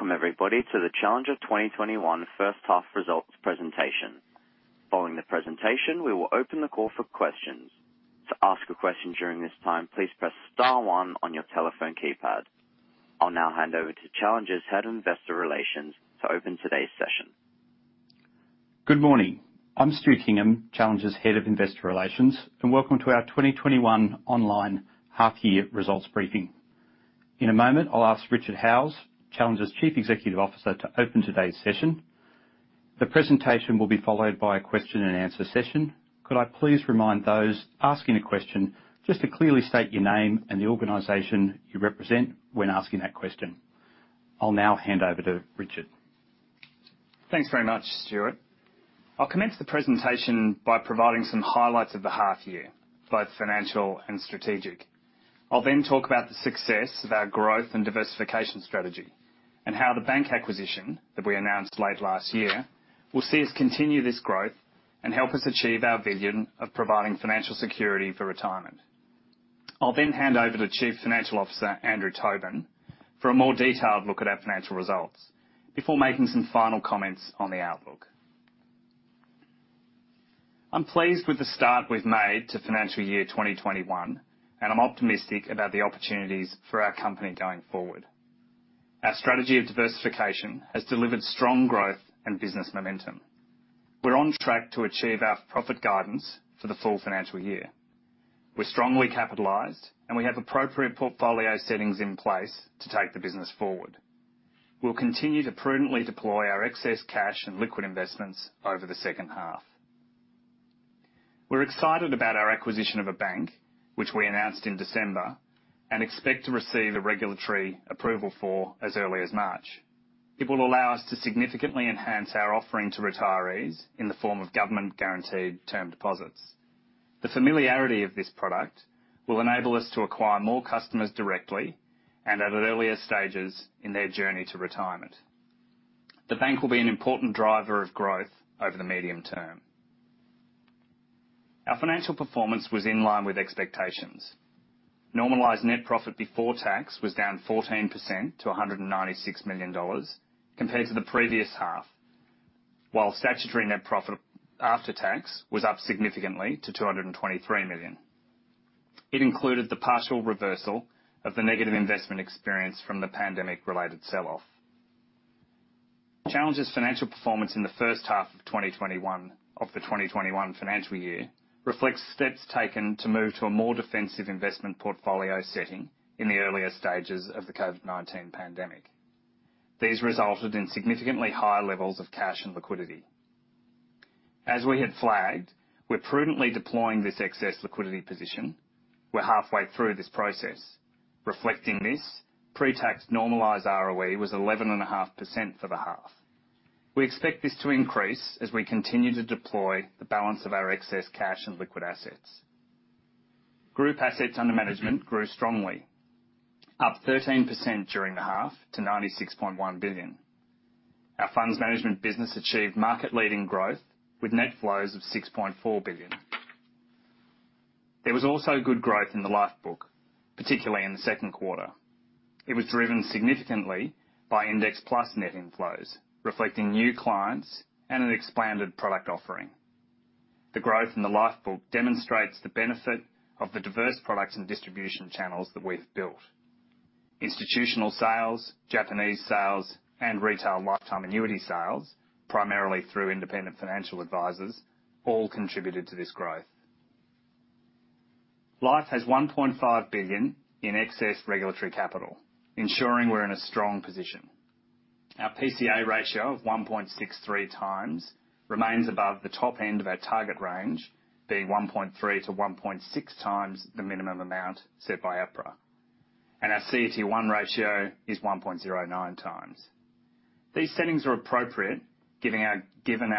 Welcome everybody to the Challenger 2021 first half results presentation. Following the presentation, we will open the call for questions. To ask a question during this time, please press star one on your telephone keypad. I'll now hand over to Challenger's Head of Investor Relations to open today's session. Good morning. I'm Stuart Kingham, Challenger's Head of Investor Relations, and welcome to our 2021 online half year results briefing. In a moment, I'll ask Richard Howes, Challenger's Chief Executive Officer, to open today's session. The presentation will be followed by a question and answer session. Could I please remind those asking a question just to clearly state your name and the organization you represent when asking that question. I'll now hand over to Richard. Thanks very much, Stuart. I'll commence the presentation by providing some highlights of the half year, both financial and strategic. I'll talk about the success of our growth and diversification strategy, and how the bank acquisition that we announced late last year will see us continue this growth and help us achieve our vision of providing financial security for retirement. I'll hand over to Chief Financial Officer, Andrew Tobin, for a more detailed look at our financial results before making some final comments on the outlook. I'm pleased with the start we've made to financial year 2021, and I'm optimistic about the opportunities for our company going forward. Our strategy of diversification has delivered strong growth and business momentum. We're on track to achieve our profit guidance for the full financial year. We're strongly capitalized, and we have appropriate portfolio settings in place to take the business forward. We'll continue to prudently deploy our excess cash and liquid investments over the second half. We're excited about our acquisition of a bank, which we announced in December, and expect to receive the regulatory approval for as early as March. It will allow us to significantly enhance our offering to retirees in the form of government-guaranteed term deposits. The familiarity of this product will enable us to acquire more customers directly and at earlier stages in their journey to retirement. The bank will be an important driver of growth over the medium term. Our financial performance was in line with expectations. Normalized net profit before tax was down 14% to 196 million dollars compared to the previous half. While statutory net profit after tax was up significantly to 223 million. It included the partial reversal of the negative investment experience from the pandemic-related sell-off. Challenger's financial performance in the first half of the 2021 financial year reflects steps taken to move to a more defensive investment portfolio setting in the earlier stages of the COVID-19 pandemic. These resulted in significantly higher levels of cash and liquidity. As we had flagged, we're prudently deploying this excess liquidity position. We're halfway through this process. Reflecting this, pre-tax normalized ROE was 11.5% for the half. We expect this to increase as we continue to deploy the balance of our excess cash and liquid assets. Group assets under management grew strongly, up 13% during the half to 96.1 billion. Our funds management business achieved market-leading growth with net flows of 6.4 billion. There was also good growth in the Life book, particularly in the second quarter. It was driven significantly by Index Plus net inflows, reflecting new clients and an expanded product offering. The growth in the Life book demonstrates the benefit of the diverse products and distribution channels that we've built. Institutional sales, Japanese sales, and retail lifetime annuity sales, primarily through independent financial advisors, all contributed to this growth. Life has 1.5 billion in excess regulatory capital, ensuring we're in a strong position. Our PCA ratio of 1.63 times remains above the top end of our target range, being 1.3x-1.6x the minimum amount set by APRA. Our CET1 ratio is 1.09x. These settings are appropriate given our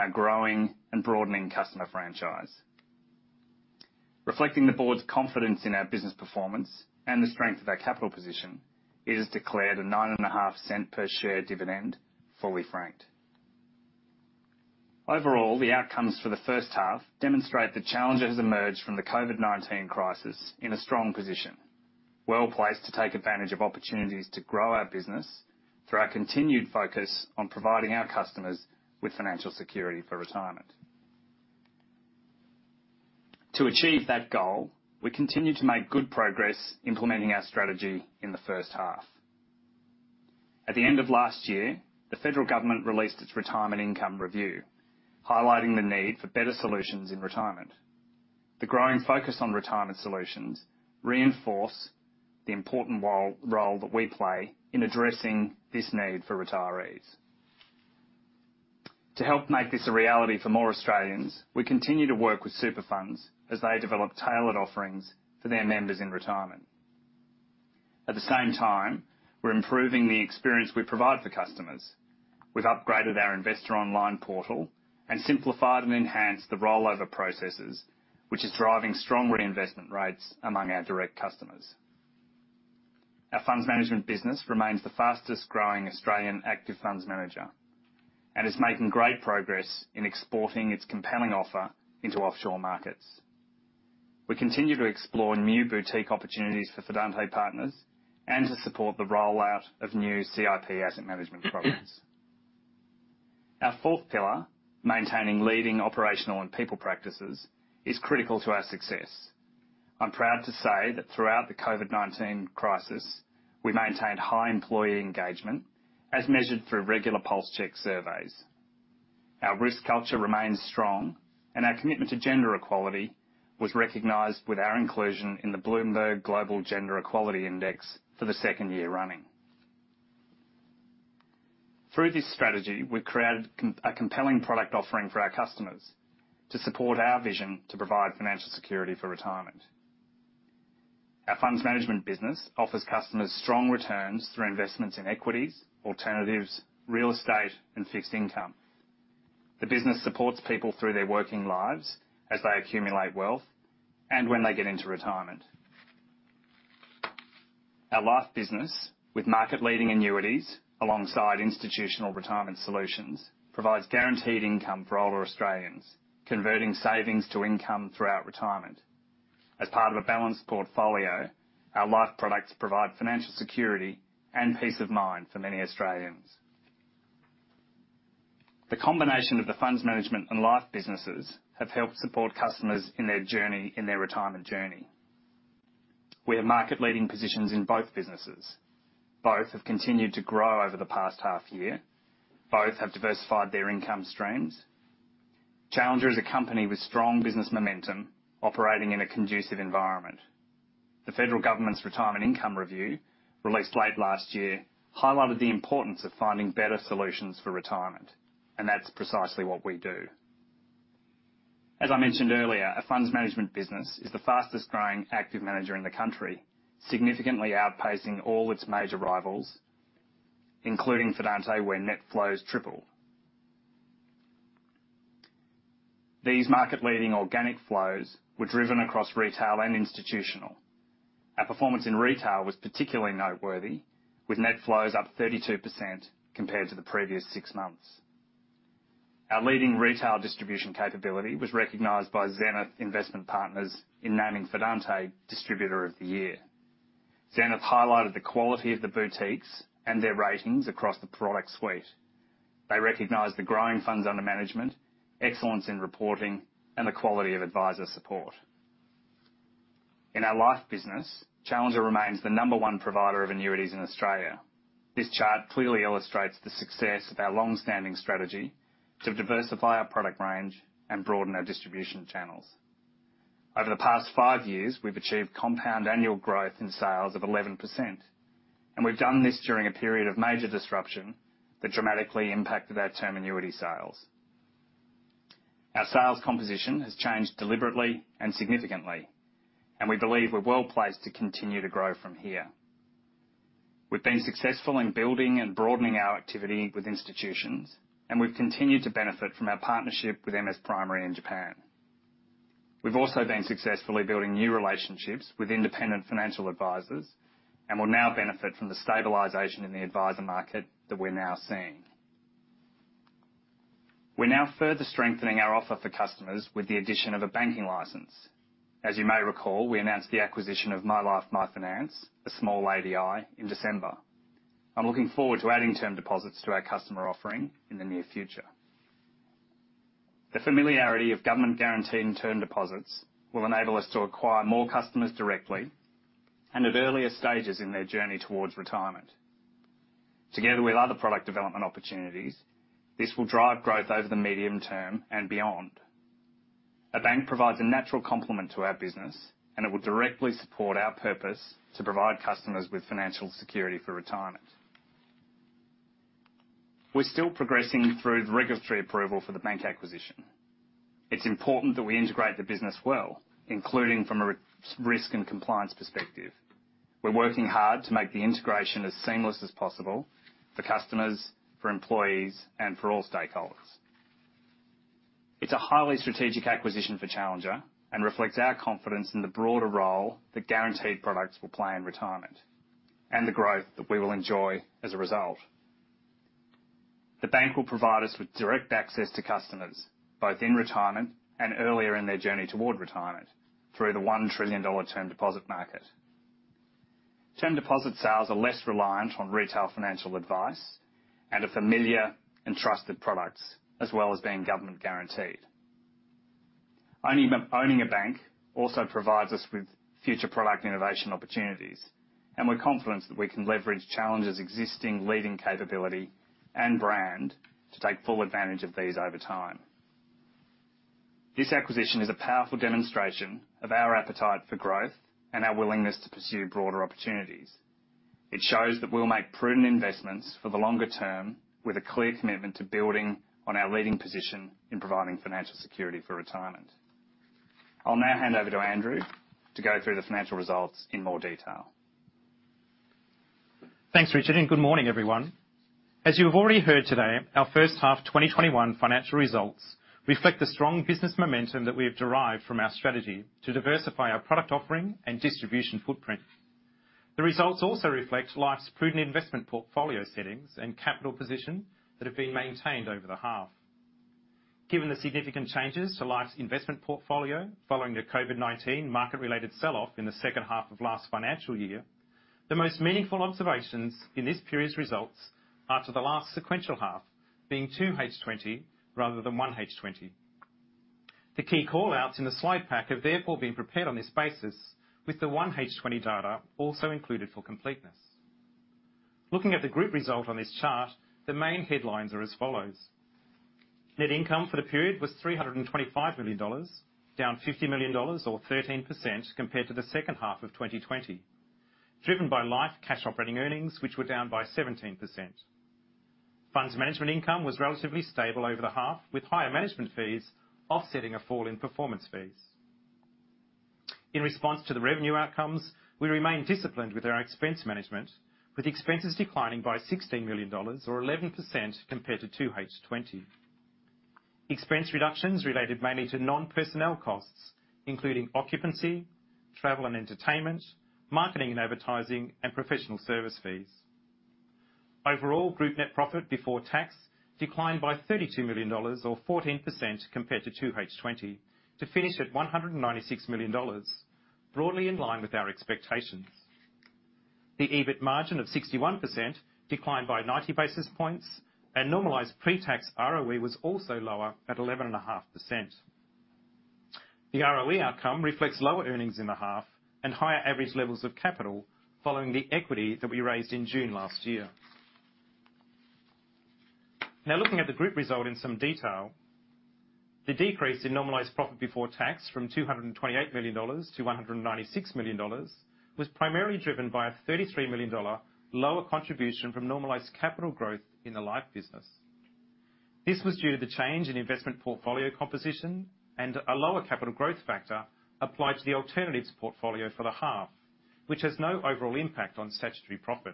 growing and broadening customer franchise. Reflecting the board's confidence in our business performance and the strength of our capital position, it has declared a 0.095 per share dividend, fully franked. Overall, the outcomes for the first half demonstrate that Challenger has emerged from the COVID-19 crisis in a strong position, well-placed to take advantage of opportunities to grow our business through our continued focus on providing our customers with financial security for retirement. To achieve that goal, we continued to make good progress implementing our strategy in the first half. At the end of last year, the federal government released its Retirement Income Review, highlighting the need for better solutions in retirement. The growing focus on retirement solutions reinforce the important role that we play in addressing this need for retirees. To help make this a reality for more Australians, we continue to work with super funds as they develop tailored offerings for their members in retirement. At the same time, we're improving the experience we provide for customers. We've upgraded our investor online portal and simplified and enhanced the rollover processes, which is driving strong reinvestment rates among our direct customers. Our funds management business remains the fastest-growing Australian active funds manager and is making great progress in exporting its compelling offer into offshore markets. We continue to explore new boutique opportunities for Fidante Partners and to support the rollout of new CIP Asset Management products. Our fourth pillar, maintaining leading operational and people practices, is critical to our success. I'm proud to say that throughout the COVID-19 crisis, we maintained high employee engagement as measured through regular pulse check surveys. Our risk culture remains strong, and our commitment to gender equality was recognized with our inclusion in the Bloomberg Gender-Equality Index for the second year running. Through this strategy, we've created a compelling product offering for our customers to support our vision to provide financial security for retirement. Our funds management business offers customers strong returns through investments in equities, alternatives, real estate, and fixed income. The business supports people through their working lives as they accumulate wealth and when they get into retirement. Our life business, with market-leading annuities alongside institutional retirement solutions, provides guaranteed income for older Australians, converting savings to income throughout retirement. As part of a balanced portfolio, our life products provide financial security and peace of mind for many Australians. The combination of the funds management and life businesses have helped support customers in their retirement journey. We have market-leading positions in both businesses. Both have continued to grow over the past half year. Both have diversified their income streams. Challenger is a company with strong business momentum operating in a conducive environment. The federal government's Retirement Income Review, released late last year, highlighted the importance of finding better solutions for retirement, and that's precisely what we do. As I mentioned earlier, our funds management business is the fastest growing active manager in the country, significantly outpacing all its major rivals, including Fidante, where net flows tripled. These market-leading organic flows were driven across retail and institutional. Our performance in retail was particularly noteworthy, with net flows up 32% compared to the previous six months. Our leading retail distribution capability was recognized by Zenith Investment Partners in naming Fidante Distributor of the Year. Zenith highlighted the quality of the boutiques and their ratings across the product suite. They recognized the growing funds under management, excellence in reporting, and the quality of advisor support. In our life business, Challenger remains the number one provider of annuities in Australia. This chart clearly illustrates the success of our long-standing strategy to diversify our product range and broaden our distribution channels. Over the past five years, we've achieved compound annual growth in sales of 11%. We've done this during a period of major disruption that dramatically impacted our term annuity sales. Our sales composition has changed deliberately and significantly. We believe we're well-placed to continue to grow from here. We've been successful in building and broadening our activity with institutions. We've continued to benefit from our partnership with MS Primary in Japan. We've also been successfully building new relationships with independent financial advisors and will now benefit from the stabilization in the advisor market that we're now seeing. We're now further strengthening our offer for customers with the addition of a banking license. As you may recall, we announced the acquisition of MyLife MyFinance, a small ADI, in December. I'm looking forward to adding term deposits to our customer offering in the near future. The familiarity of government-guaranteed term deposits will enable us to acquire more customers directly and at earlier stages in their journey towards retirement. Together with other product development opportunities, this will drive growth over the medium term and beyond. A bank provides a natural complement to our business, and it will directly support our purpose to provide customers with financial security for retirement. We're still progressing through the regulatory approval for the bank acquisition. It's important that we integrate the business well, including from a risk and compliance perspective. We're working hard to make the integration as seamless as possible for customers, for employees, and for all stakeholders. It's a highly strategic acquisition for Challenger and reflects our confidence in the broader role that guaranteed products will play in retirement, and the growth that we will enjoy as a result. The bank will provide us with direct access to customers, both in retirement and earlier in their journey toward retirement, through the 1 trillion dollar term deposit market. Term deposit sales are less reliant on retail financial advice and are familiar and trusted products, as well as being government guaranteed. Owning a bank also provides us with future product innovation opportunities, and we're confident that we can leverage Challenger's existing leading capability and brand to take full advantage of these over time. This acquisition is a powerful demonstration of our appetite for growth and our willingness to pursue broader opportunities. It shows that we'll make prudent investments for the longer term with a clear commitment to building on our leading position in providing financial security for retirement. I'll now hand over to Andrew to go through the financial results in more detail. Thanks, Richard. Good morning, everyone. As you have already heard today, our first half 2021 financial results reflect the strong business momentum that we have derived from our strategy to diversify our product offering and distribution footprint. The results also reflect Life's prudent investment portfolio settings and capital position that have been maintained over the half. Given the significant changes to Life's investment portfolio following the COVID-19 market related sell-off in the second half of last financial year, the most meaningful observations in this period's results are to the last sequential half being 2H20 rather than 1H20. The key callouts in the slide pack have been prepared on this basis, with the 1H20 data also included for completeness. Looking at the group result on this chart, the main headlines are as follows. Net income for the period was 325 million dollars, down 50 million dollars or 13% compared to the second half of 2020, driven by Life cash operating earnings, which were down by 17%. Funds management income was relatively stable over the half, with higher management fees offsetting a fall in performance fees. In response to the revenue outcomes, we remain disciplined with our expense management, with expenses declining by 16 million dollars or 11% compared to 2H 2020. Expense reductions related mainly to non-personnel costs, including occupancy, travel and entertainment, marketing and advertising, and professional service fees. Overall, group net profit before tax declined by 32 million dollars or 14% compared to 2H 2020 to finish at 196 million dollars, broadly in line with our expectations. The EBIT margin of 61% declined by 90 basis points, and normalized pre-tax ROE was also lower at 11.5%. The ROE outcome reflects lower earnings in the half and higher average levels of capital following the equity that we raised in June last year. Looking at the group result in some detail, the decrease in normalized profit before tax from 228 million dollars to 196 million dollars was primarily driven by a 33 million dollar lower contribution from normalized capital growth in the Life business. This was due to the change in investment portfolio composition and a lower capital growth factor applied to the alternatives portfolio for the half, which has no overall impact on statutory profit.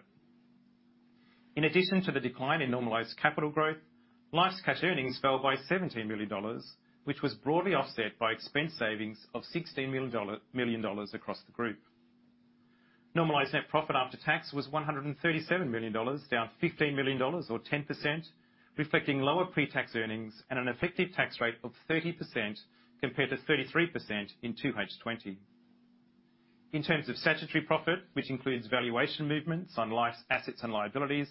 In addition to the decline in normalized capital growth, Life's cash earnings fell by 17 million dollars, which was broadly offset by expense savings of 16 million dollars across the group. Normalized net profit after tax was 137 million dollars, down 15 million dollars or 10%, reflecting lower pre-tax earnings and an effective tax rate of 30% compared to 33% in 2H20. In terms of statutory profit, which includes valuation movements on Life's assets and liabilities,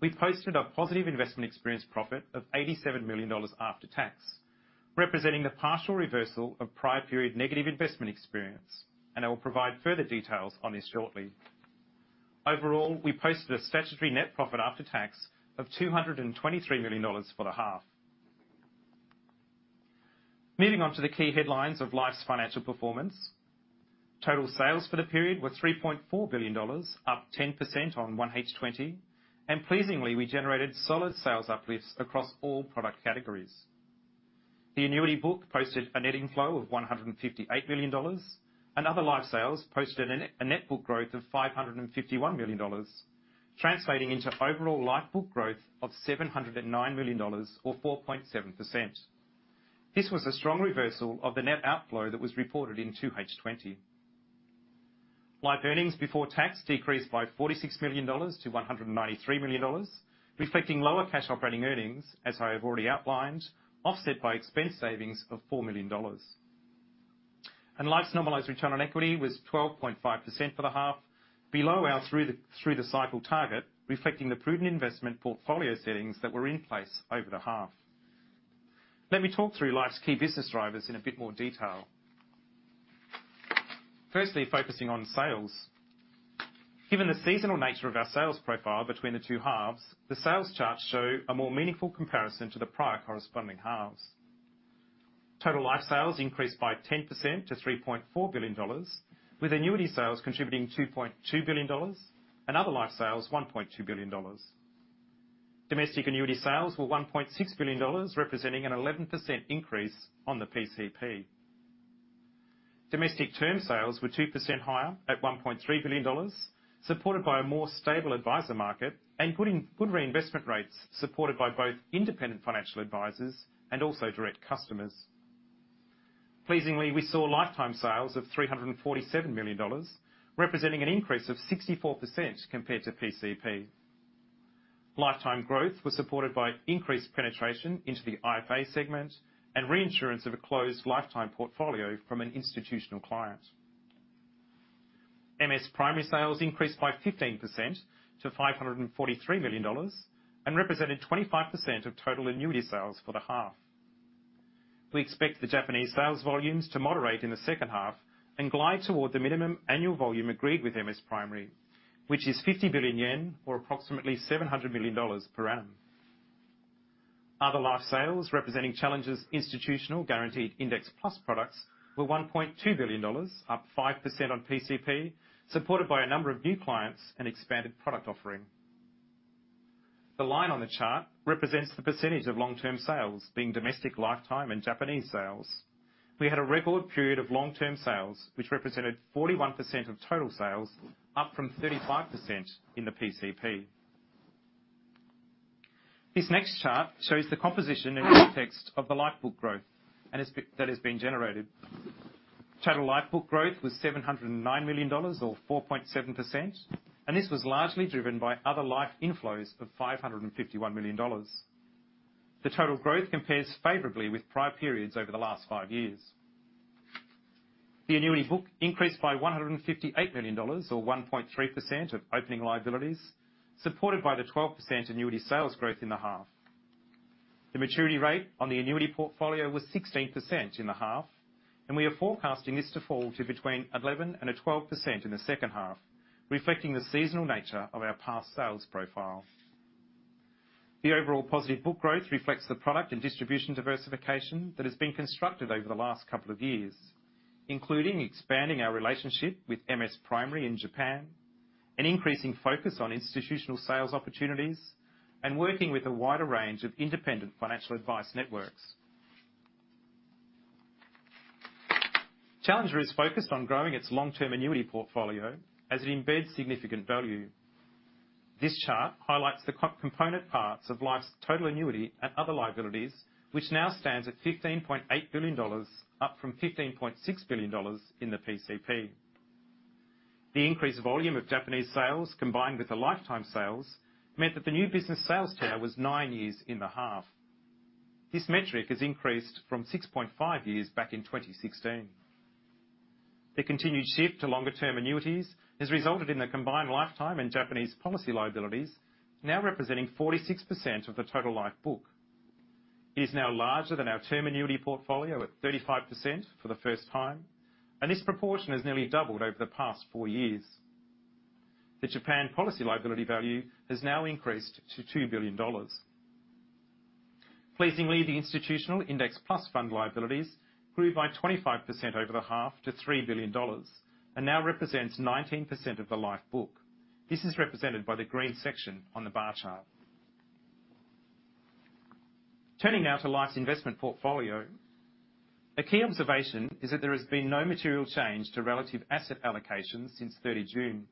we've posted a positive investment experience profit of 87 million dollars after tax, representing the partial reversal of prior period negative investment experience. I will provide further details on this shortly. Overall, we posted a statutory net profit after tax of 223 million dollars for the half. Moving on to the key headlines of Life's financial performance. Total sales for the period were 3.4 billion dollars, up 10% on 1H20. Pleasingly, we generated solid sales uplifts across all product categories. The annuity book posted a net inflow of 158 million dollars. Other Life sales posted a net book growth of 551 million dollars, translating into overall Life book growth of 709 million dollars or 4.7%. This was a strong reversal of the net outflow that was reported in 2H 2020. Life earnings before tax decreased by 46 million dollars to 193 million dollars, reflecting lower cash operating earnings, as I have already outlined, offset by expense savings of 4 million dollars. Life's normalized return on equity was 12.5% for the half, below our through the cycle target, reflecting the prudent investment portfolio settings that were in place over the half. Let me talk through Life's key business drivers in a bit more detail. Firstly, focusing on sales. Given the seasonal nature of our sales profile between the two halves, the sales charts show a more meaningful comparison to the prior corresponding halves. Total Life sales increased by 10% to 3.4 billion dollars, with annuity sales contributing 2.2 billion dollars and other Life sales 1.2 billion dollars. Domestic annuity sales were 1.6 billion dollars, representing an 11% increase on the PCP. Domestic term sales were 2% higher at 1.3 billion dollars, supported by a more stable advisor market and good reinvestment rates supported by both independent financial advisors and also direct customers. Pleasingly, we saw Lifetime sales of 347 million dollars, representing an increase of 64% compared to PCP. Lifetime growth was supported by increased penetration into the IFA segment and reinsurance of a closed Lifetime portfolio from an institutional client. MS Primary sales increased by 15% to 543 million dollars and represented 25% of total annuity sales for the half. We expect the Japanese sales volumes to moderate in the second half and glide toward the minimum annual volume agreed with MS Primary, which is 50 billion yen or approximately 700 million dollars per annum. Other Life sales representing Challenger's institutional guaranteed Index Plus products were 1.2 billion dollars, up 5% on PCP, supported by a number of new clients and expanded product offering. The line on the chart represents the percentage of long-term sales being domestic, Lifetime, and Japanese sales. We had a record period of long-term sales, which represented 41% of total sales, up from 35% in the PCP. This next chart shows the composition in the context of the life book growth that is being generated. Total life book growth was 709 million dollars, or 4.7%, and this was largely driven by other life inflows of 551 million dollars. The total growth compares favorably with prior periods over the last five years. The annuity book increased by 158 million dollars, or 1.3%, of opening liabilities, supported by the 12% annuity sales growth in the half. The maturity rate on the annuity portfolio was 16% in the half, and we are forecasting this to fall to between 11%-12% in the second half, reflecting the seasonal nature of our past sales profile. The overall positive book growth reflects the product and distribution diversification that has been constructed over the last couple of years, including expanding our relationship with MS Primary in Japan, an increasing focus on institutional sales opportunities, and working with a wider range of independent financial advice networks. Challenger is focused on growing its long-term annuity portfolio as it embeds significant value. This chart highlights the component parts of life's total annuity and other liabilities, which now stands at 15.8 billion dollars, up from 15.6 billion dollars in the PCP. The increased volume of Japanese sales combined with the lifetime sales meant that the new business sales tail was nine years in the half. This metric has increased from 6.5 years back in 2016. The continued shift to longer term annuities has resulted in the combined lifetime and Japanese policy liabilities now representing 46% of the total life book. It is now larger than our term annuity portfolio at 35% for the first time, and this proportion has nearly doubled over the past four years. The Japan policy liability value has now increased to 2 billion dollars. Pleasingly, the institutional Index Plus fund liabilities grew by 25% over the half to 3 billion dollars and now represents 19% of the life book. This is represented by the green section on the bar chart. Turning now to life's investment portfolio. A key observation is that there has been no material change to relative asset allocations since 30 June,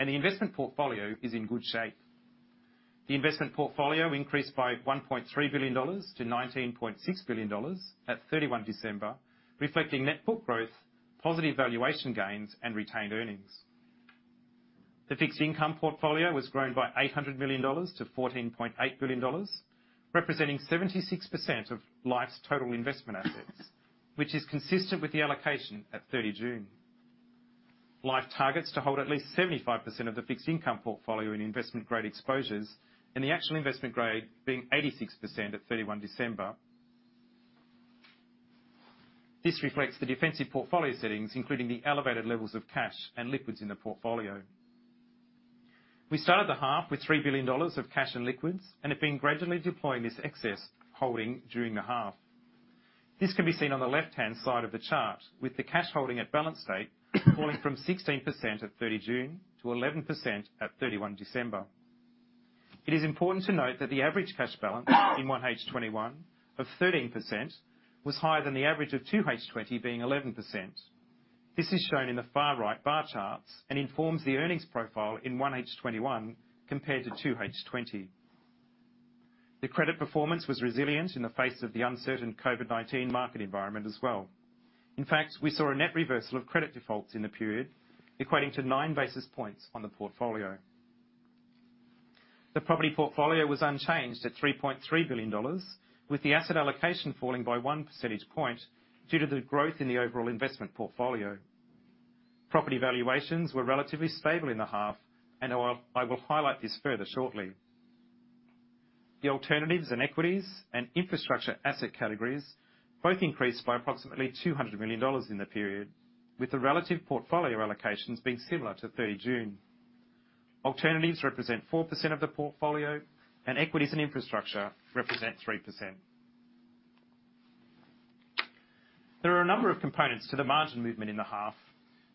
and the investment portfolio is in good shape. The investment portfolio increased by AUD 1.3 billion to AUD 19.6 billion at 31 December, reflecting net book growth, positive valuation gains, and retained earnings. The fixed income portfolio was grown by 800 million dollars to 14.8 billion dollars, representing 76% of Life's total investment assets, which is consistent with the allocation at 30 June. Life targets to hold at least 75% of the fixed income portfolio in investment grade exposures, and the actual investment grade being 86% at 31 December. This reflects the defensive portfolio settings, including the elevated levels of cash and liquids in the portfolio. We started the half with 3 billion dollars of cash and liquids and have been gradually deploying this excess holding during the half. This can be seen on the left-hand side of the chart with the cash holding at balance date falling from 16% at June 30 to 11% at December 31. It is important to note that the average cash balance in 1H 2021 of 13% was higher than the average of 2H 2020 being 11%. This is shown in the far-right bar charts and informs the earnings profile in 1H 2021 compared to 2H 2020. The credit performance was resilient in the face of the uncertain COVID-19 market environment as well. In fact, we saw a net reversal of credit defaults in the period, equating to nine basis points on the portfolio. The property portfolio was unchanged at 3.3 billion dollars, with the asset allocation falling by one percentage point due to the growth in the overall investment portfolio. Property valuations were relatively stable in the half, and I will highlight this further shortly. The alternatives in equities and infrastructure asset categories both increased by approximately 200 million dollars in the period, with the relative portfolio allocations being similar to 30 June. Alternatives represent 4% of the portfolio, and equities and infrastructure represent 3%. There are a number of components to the margin movement in the half.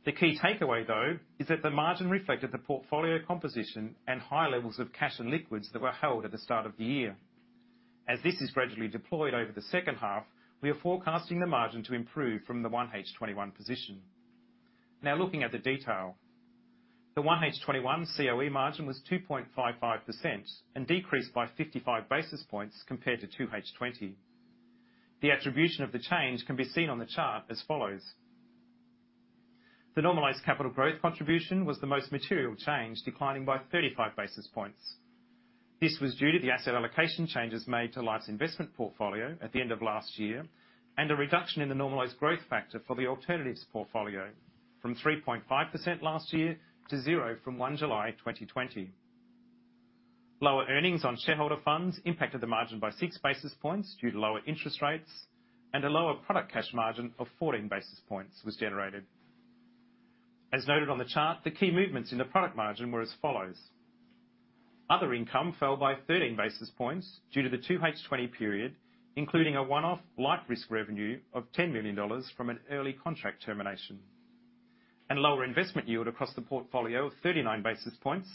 The key takeaway, though, is that the margin reflected the portfolio composition and high levels of cash and liquids that were held at the start of the year. As this is gradually deployed over the second half, we are forecasting the margin to improve from the 1H21 position. Looking at the detail. The 1H21 COE margin was 2.55% and decreased by 55 basis points compared to 2H20. The attribution of the change can be seen on the chart as follows. The normalized capital growth contribution was the most material change, declining by 35 basis points. This was due to the asset allocation changes made to Life's investment portfolio at the end of last year and a reduction in the normalized growth factor for the alternatives portfolio from 3.5% last year to 0% from 1 July 2020. Lower earnings on shareholder funds impacted the margin by six basis points due to lower interest rates and a lower product cash margin of 14 basis points was generated. As noted on the chart, the key movements in the product margin were as follows. Other income fell by 13 basis points due to the 2H20 period, including a one-off life risk revenue of 10 million dollars from an early contract termination and lower investment yield across the portfolio of 39 basis points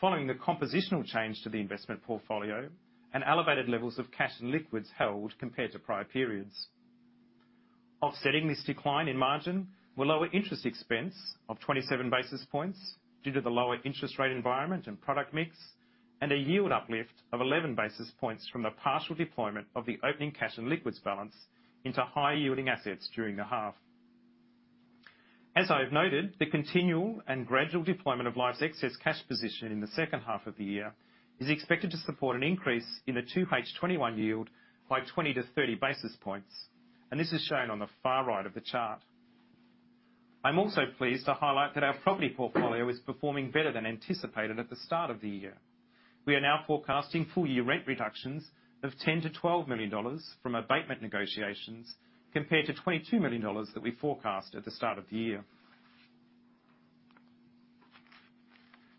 following the compositional change to the investment portfolio and elevated levels of cash and liquids held compared to prior periods. Offsetting this decline in margin were lower interest expense of 27 basis points due to the lower interest rate environment and product mix, and a yield uplift of 11 basis points from the partial deployment of the opening cash and liquids balance into high yielding assets during the half. As I've noted, the continual and gradual deployment of Life's excess cash position in the second half of the year is expected to support an increase in the 2H 2021 yield by 20 basis points to 30 basis points, and this is shown on the far right of the chart. I'm also pleased to highlight that our property portfolio is performing better than anticipated at the start of the year. We are now forecasting full year rent reductions of 10 million-12 million dollars from abatement negotiations, compared to 22 million dollars that we forecast at the start of the year.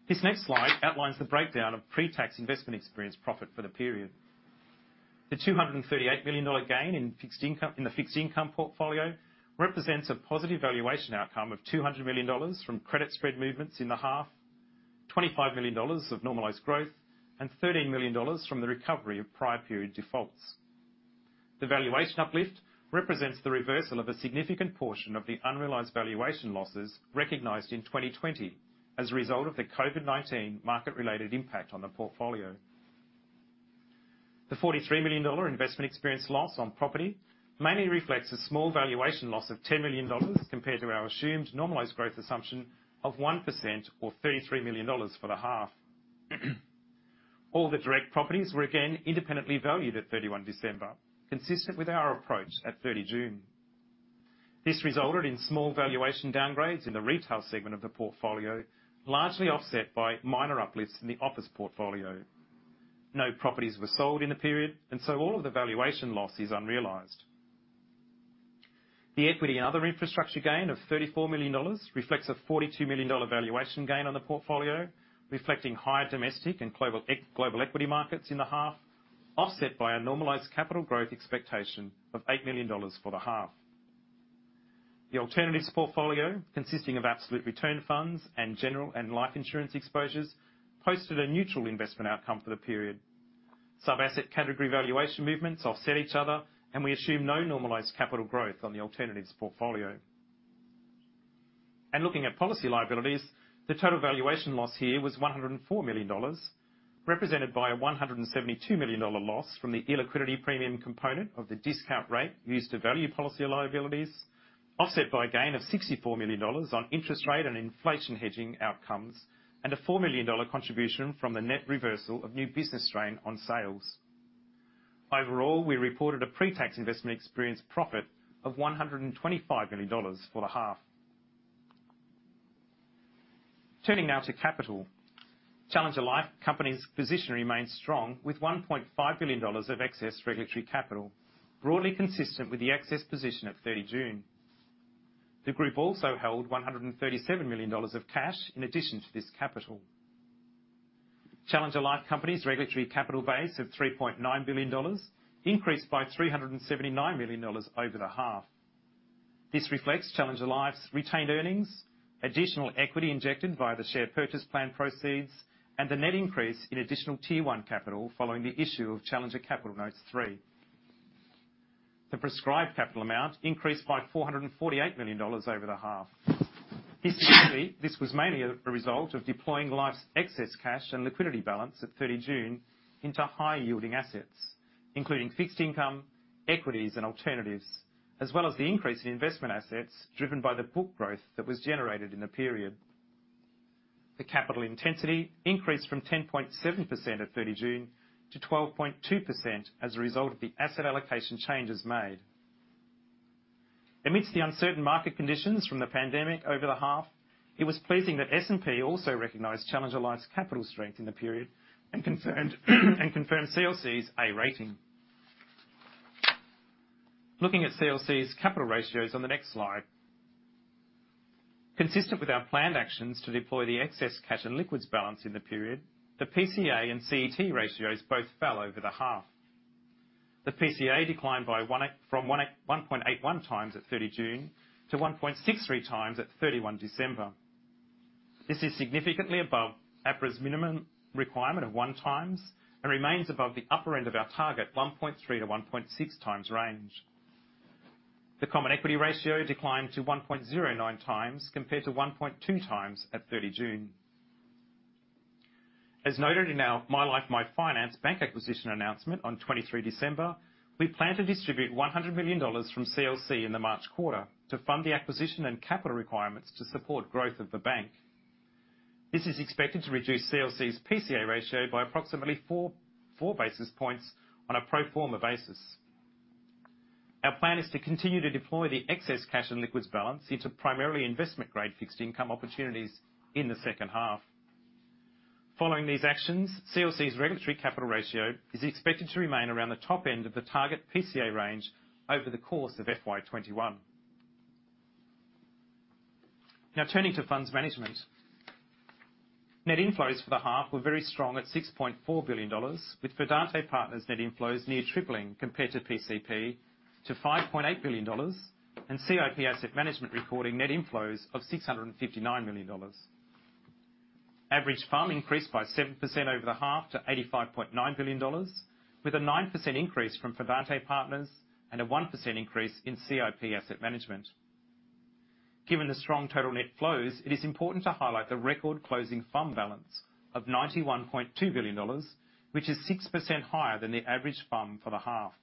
This next slide outlines the breakdown of pre-tax investment experience profit for the period. The 238 million dollar gain in the fixed income portfolio represents a positive valuation outcome of 200 million dollars from credit spread movements in the half, 25 million dollars of normalized growth, and 13 million dollars from the recovery of prior period defaults. The valuation uplift represents the reversal of a significant portion of the unrealized valuation losses recognized in 2020 as a result of the COVID-19 market related impact on the portfolio. The 43 million dollar investment experience loss on property mainly reflects a small valuation loss of 10 million dollars compared to our assumed normalized growth assumption of 1% or 33 million dollars for the half. All the direct properties were again independently valued at 31 December, consistent with our approach at 30 June. This resulted in small valuation downgrades in the retail segment of the portfolio, largely offset by minor uplifts in the office portfolio. No properties were sold in the period. All of the valuation loss is unrealized. The equity and other infrastructure gain of 34 million dollars reflects a 42 million dollar valuation gain on the portfolio, reflecting higher domestic and global equity markets in the half, offset by a normalized capital growth expectation of 8 million dollars for the half. The alternatives portfolio, consisting of absolute return funds and general and life insurance exposures, posted a neutral investment outcome for the period. Sub-asset category valuation movements offset each other, and we assume no normalized capital growth on the alternatives portfolio. Looking at policy liabilities, the total valuation loss here was 104 million dollars, represented by a 172 million dollar loss from the illiquidity premium component of the discount rate used to value policy liabilities, offset by a gain of 64 million dollars on interest rate and inflation hedging outcomes, and a 4 million dollar contribution from the net reversal of new business strain on sales. Overall, we reported a pre-tax investment experience profit of 125 million dollars for the half. Turning now to capital. Challenger Life Company's position remains strong with 1.5 billion dollars of excess regulatory capital, broadly consistent with the excess position at 30 June. The group also held 137 million dollars of cash in addition to this capital. Challenger Life Company's regulatory capital base of 3.9 billion dollars increased by 379 million dollars over the half. This reflects Challenger Life's retained earnings, additional equity injected via the share purchase plan proceeds, and the net increase in additional Tier 1 capital following the issue of Challenger Capital Notes 3. The prescribed capital amount increased by 448 million dollars over the half. Historically, this was mainly a result of deploying life's excess cash and liquidity balance at 30 June into high yielding assets, including fixed income, equities, and alternatives, as well as the increase in investment assets driven by the book growth that was generated in the period. The capital intensity increased from 10.7% at 30 June to 12.2% as a result of the asset allocation changes made. Amidst the uncertain market conditions from the pandemic over the half, it was pleasing that S&P also recognized Challenger Life's capital strength in the period and confirmed CLC's A rating. Looking at CLC's capital ratios on the next slide. Consistent with our planned actions to deploy the excess cash and liquids balance in the period, the PCA and CET1 ratios both fell over the half. The PCA declined from 1.81x at 30 June to 1.63x at 31 December. This is significantly above APRA's minimum requirement of one times and remains above the upper end of our target 1.3x to 1.6x range. The common equity ratio declined to 1.09x, compared to 1.2x at 30 June. As noted in our MyLife MyFinance bank acquisition announcement on 23 December, we plan to distribute 100 million dollars from CLC in the March quarter to fund the acquisition and capital requirements to support growth of the bank. This is expected to reduce CLC's PCA ratio by approximately four basis points on a pro forma basis. Our plan is to continue to deploy the excess cash and liquids balance into primarily investment grade fixed income opportunities in the second half. Following these actions, CLC's regulatory capital ratio is expected to remain around the top end of the target PCA range over the course of FY 2021. Turning to funds management. Net inflows for the half were very strong at 6.4 billion dollars, with Fidante Partners net inflows near tripling compared to PCP to 5.8 billion dollars, and CIP Asset Management reporting net inflows of 659 million dollars. Average FUM increased by 7% over the half to 85.9 billion dollars, with a 9% increase from Fidante Partners and a 1% increase in CIP Asset Management. Given the strong total net flows, it is important to highlight the record closing FUM balance of 91.2 billion dollars, which is 6% higher than the average FUM for the half.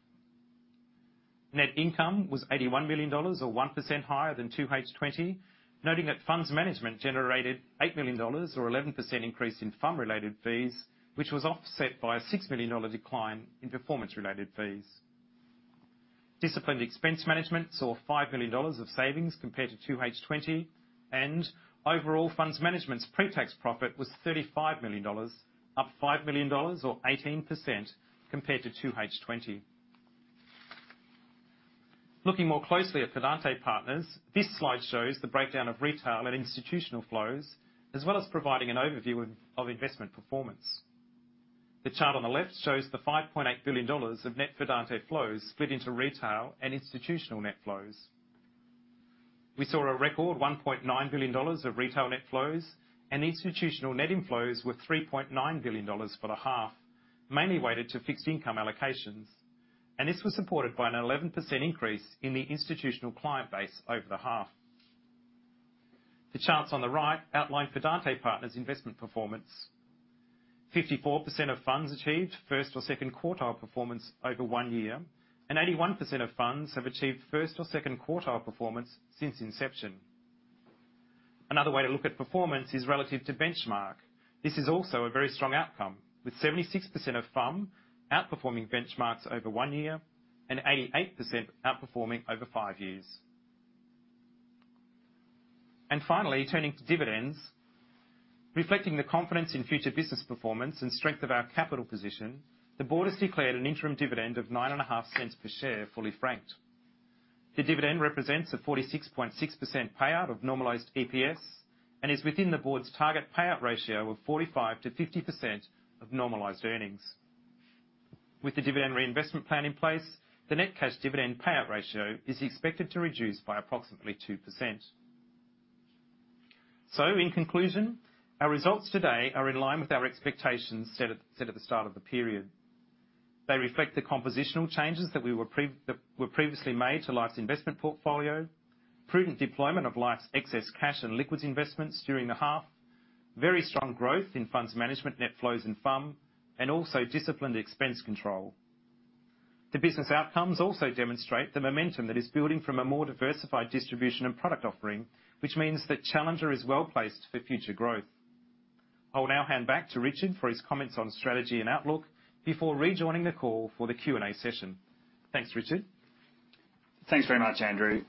Net income was 81 million dollars, or 1% higher than 2H20, noting that funds management generated 8 million dollars, or 11% increase in FUM-related fees, which was offset by a 6 million dollar decline in performance-related fees. Disciplined expense management saw 5 million dollars of savings compared to 2H20. Overall funds management's pre-tax profit was AUD 35 million, up AUD 5 million or 18% compared to 2H20. Looking more closely at Fidante Partners, this slide shows the breakdown of retail and institutional flows, as well as providing an overview of investment performance. The chart on the left shows the 5.8 billion dollars of net Fidante flows split into retail and institutional net flows. We saw a record 1.9 billion dollars of retail net flows. Institutional net inflows were 3.9 billion dollars for the half, mainly weighted to fixed income allocations. This was supported by an 11% increase in the institutional client base over the half. The charts on the right outline Fidante Partners' investment performance. 54% of funds achieved first or second quartile performance over one year. 81% of funds have achieved first or second quartile performance since inception. Another way to look at performance is relative to benchmark. This is also a very strong outcome, with 76% of FUM outperforming benchmarks over one year and 88% outperforming over five years. Finally, turning to dividends, reflecting the confidence in future business performance and strength of our capital position, the board has declared an interim dividend of 0.095 per share, fully franked. The dividend represents a 46.6% payout of normalized EPS and is within the board's target payout ratio of 45%-50% of normalized earnings. With the dividend reinvestment plan in place, the net cash dividend payout ratio is expected to reduce by approximately 2%. In conclusion, our results today are in line with our expectations set at the start of the period. They reflect the compositional changes that were previously made to Life's investment portfolio, prudent deployment of Life's excess cash and liquids investments during the half, very strong growth in funds management net flows and FUM. Also disciplined expense control. The business outcomes also demonstrate the momentum that is building from a more diversified distribution and product offering, which means that Challenger is well-placed for future growth. I will now hand back to Richard for his comments on strategy and outlook before rejoining the call for the Q&A session. Thanks, Richard. Thanks very much, Andrew.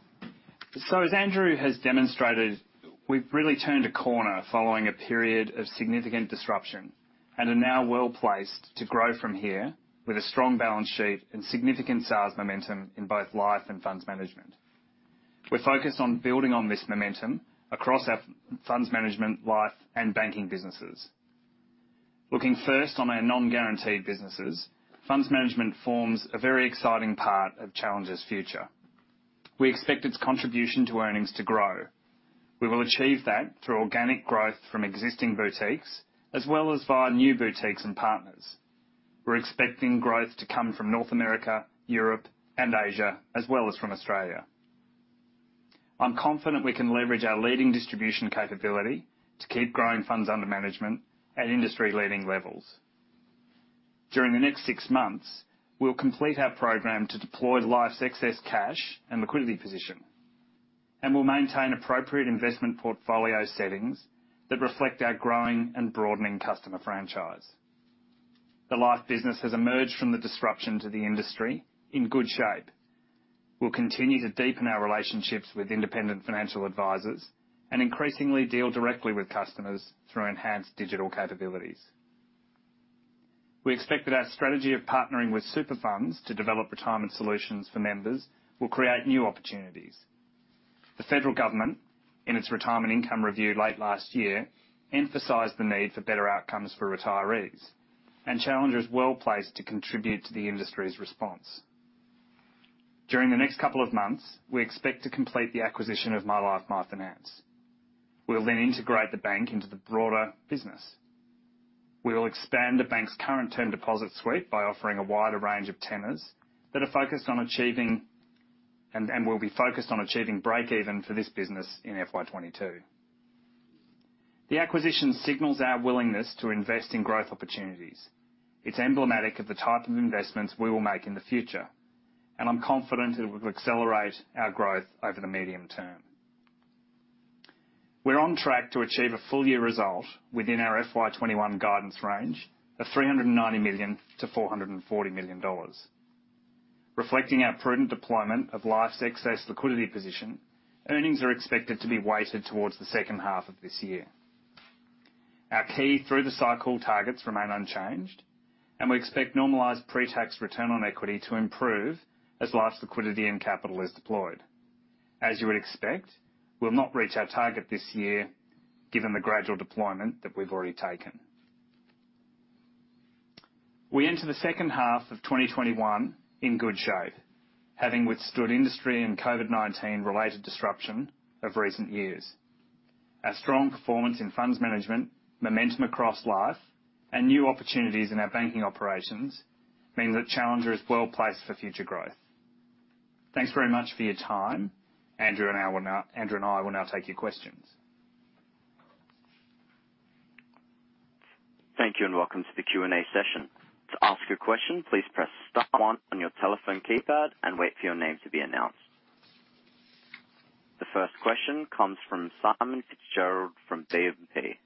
As Andrew has demonstrated, we've really turned a corner following a period of significant disruption and are now well-placed to grow from here with a strong balance sheet and significant sales momentum in both Life and Funds Management. We're focused on building on this momentum across our Funds Management, Life, and banking businesses. Looking first on our non-guaranteed businesses, Funds Management forms a very exciting part of Challenger's future. We expect its contribution to earnings to grow. We will achieve that through organic growth from existing boutiques, as well as via new boutiques and partners. We're expecting growth to come from North America, Europe, and Asia, as well as from Australia. I'm confident we can leverage our leading distribution capability to keep growing funds under management at industry leading levels. During the next six months, we'll complete our program to deploy Life's excess cash and liquidity position. We'll maintain appropriate investment portfolio settings that reflect our growing and broadening customer franchise. The Life business has emerged from the disruption to the industry in good shape. We'll continue to deepen our relationships with independent financial advisors and increasingly deal directly with customers through enhanced digital capabilities. We expect that our strategy of partnering with super funds to develop retirement solutions for members will create new opportunities. The federal government, in its Retirement Income Review late last year, emphasized the need for better outcomes for retirees. Challenger is well-placed to contribute to the industry's response. During the next couple of months, we expect to complete the acquisition of MyLife MyFinance. We'll integrate the bank into the broader business. We will expand the bank's current term deposit suite by offering a wider range of tenors, and we'll be focused on achieving break even for this business in FY 2022. The acquisition signals our willingness to invest in growth opportunities. It's emblematic of the type of investments we will make in the future, and I'm confident it will accelerate our growth over the medium term. We're on track to achieve a full-year result within our FY 2021 guidance range of 390 million-440 million dollars. Reflecting our prudent deployment of Life's excess liquidity position, earnings are expected to be weighted towards the second half of this year. Our key through-the-cycle targets remain unchanged, and we expect normalized pre-tax return on equity to improve as Life's liquidity and capital is deployed. As you would expect, we'll not reach our target this year given the gradual deployment that we've already taken. We enter the second half of 2021 in good shape, having withstood industry and COVID-19 related disruption of recent years. Our strong performance in funds management, momentum across life, and new opportunities in our banking operations mean that Challenger is well-placed for future growth. Thanks very much for your time. Andrew and I will now take your questions. Thank you and welcome to the Q&A session. To ask a question, please press star one on your telephone keypad and wait for your name to be announced. The first question comes from Simon Fitzgerald from E&P.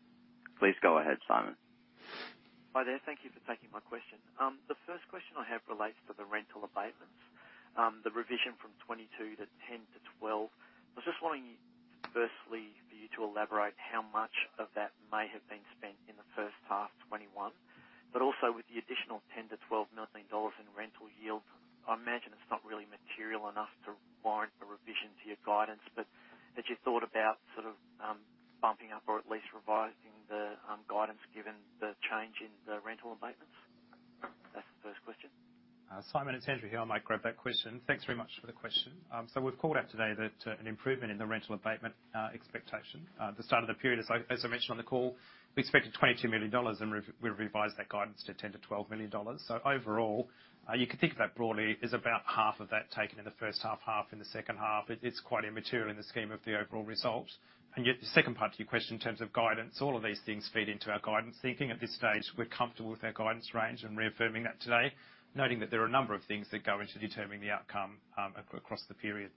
Please go ahead, Simon. Hi there. Thank you for taking my question. The first question I have relates to the rental abatements, the revision from 22 to 10 to 12. I was just wanting, firstly, for you to elaborate how much of that may have been spent in the first half 2021, but also with the additional 10 million-12 million dollars in rental yield. I imagine it's not really material enough to warrant a revision to your guidance. Had you thought about bumping up or at least revising the guidance given the change in the rental abatements? That's the first question. Simon, it's Andrew here. I might grab that question. Thanks very much for the question. We've called out today that an improvement in the rental abatement expectation. At the start of the period, as I mentioned on the call, we expected 22 million dollars, and we revised that guidance to 10 million-12 million dollars. Overall, you could think of that broadly as about half of that taken in the first half in the second half. It's quite immaterial in the scheme of the overall results. Yet, the second part to your question in terms of guidance, all of these things feed into our guidance thinking. At this stage, we're comfortable with our guidance range and reaffirming that today, noting that there are a number of things that go into determining the outcome across the period.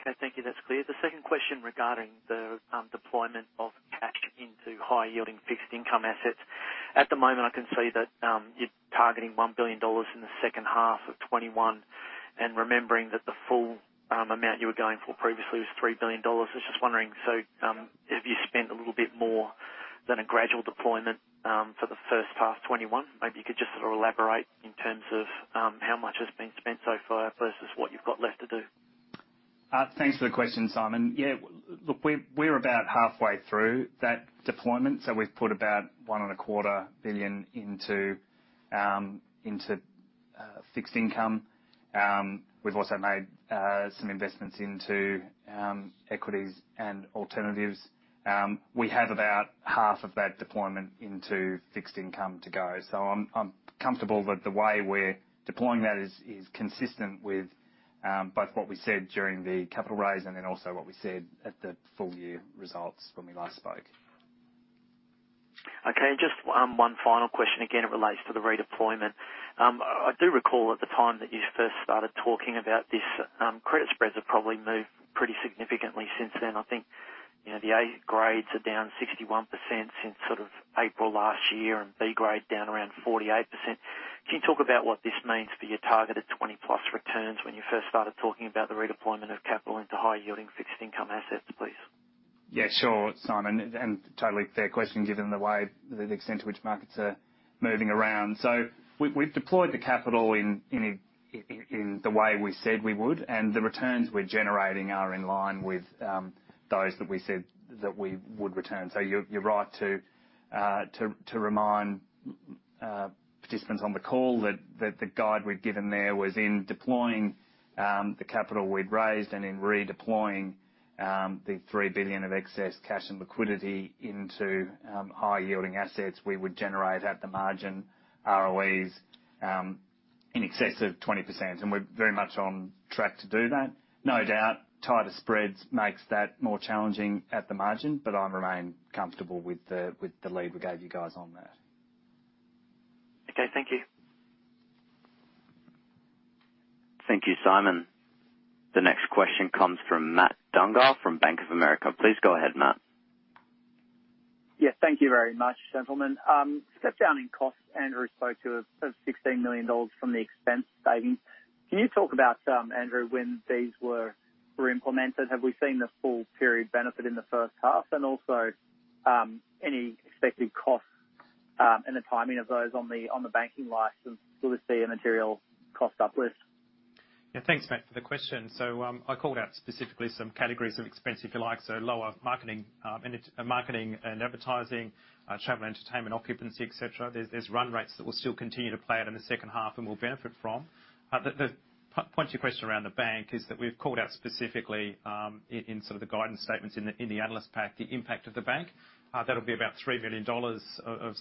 Okay, thank you. That's clear. The second question regarding the deployment of cash into high yielding fixed income assets. At the moment, I can see that you're targeting 1 billion dollars in the second half of 2021, remembering that the full amount you were going for previously was 3 billion dollars. I was just wondering, have you spent a little bit more than a gradual deployment for the first half 2021? Maybe you could just sort of elaborate in terms of how much has been spent so far versus what you've got left to do. Thanks for the question, Simon. Yeah, look, we're about halfway through that deployment. We've put about 1.25 billion into fixed income. We've also made some investments into equities and alternatives. We have about half of that deployment into fixed income to go. I'm comfortable that the way we're deploying that is consistent with both what we said during the capital raise and then also what we said at the full year results when we last spoke. Okay. Just one final question. Again, it relates to the redeployment. I do recall at the time that you first started talking about this. Credit spreads have probably moved pretty significantly since then. I think the A grades are down 61% since April last year and B grade down around 48%. Can you talk about what this means for your targeted 20-plus returns when you first started talking about the redeployment of capital into high yielding fixed income assets, please? Sure, Simon, totally fair question given the way, the extent to which markets are moving around. We've deployed the capital in the way we said we would, and the returns we're generating are in line with those that we said that we would return. You're right to remind participants on the call that the guide we'd given there was in deploying the capital we'd raised and in redeploying the 3 billion of excess cash and liquidity into higher yielding assets we would generate at the margin ROEs in excess of 20%, and we're very much on track to do that. No doubt tighter spreads makes that more challenging at the margin, but I remain comfortable with the lead we gave you guys on that. Okay. Thank you. Thank you, Simon. The next question comes from Matt Dunger from Bank of America. Please go ahead, Matt. Thank you very much, gentlemen. Step down in cost, Andrew spoke to 16 million dollars from the expense savings. Can you talk about, Andrew, when these were implemented? Have we seen the full period benefit in the first half? And also, any expected costs, and the timing of those on the banking license? Will we see a material cost uplift? Yeah. Thanks, Matt, for the question. I called out specifically some categories of expense, if you like. Lower marketing and advertising, travel, entertainment, occupancy, et cetera. There's run rates that will still continue to play out in the second half and we'll benefit from. The point to your question around the bank is that we've called out specifically, in sort of the guidance statements in the analyst pack, the impact of the bank. That'll be about 3 million dollars of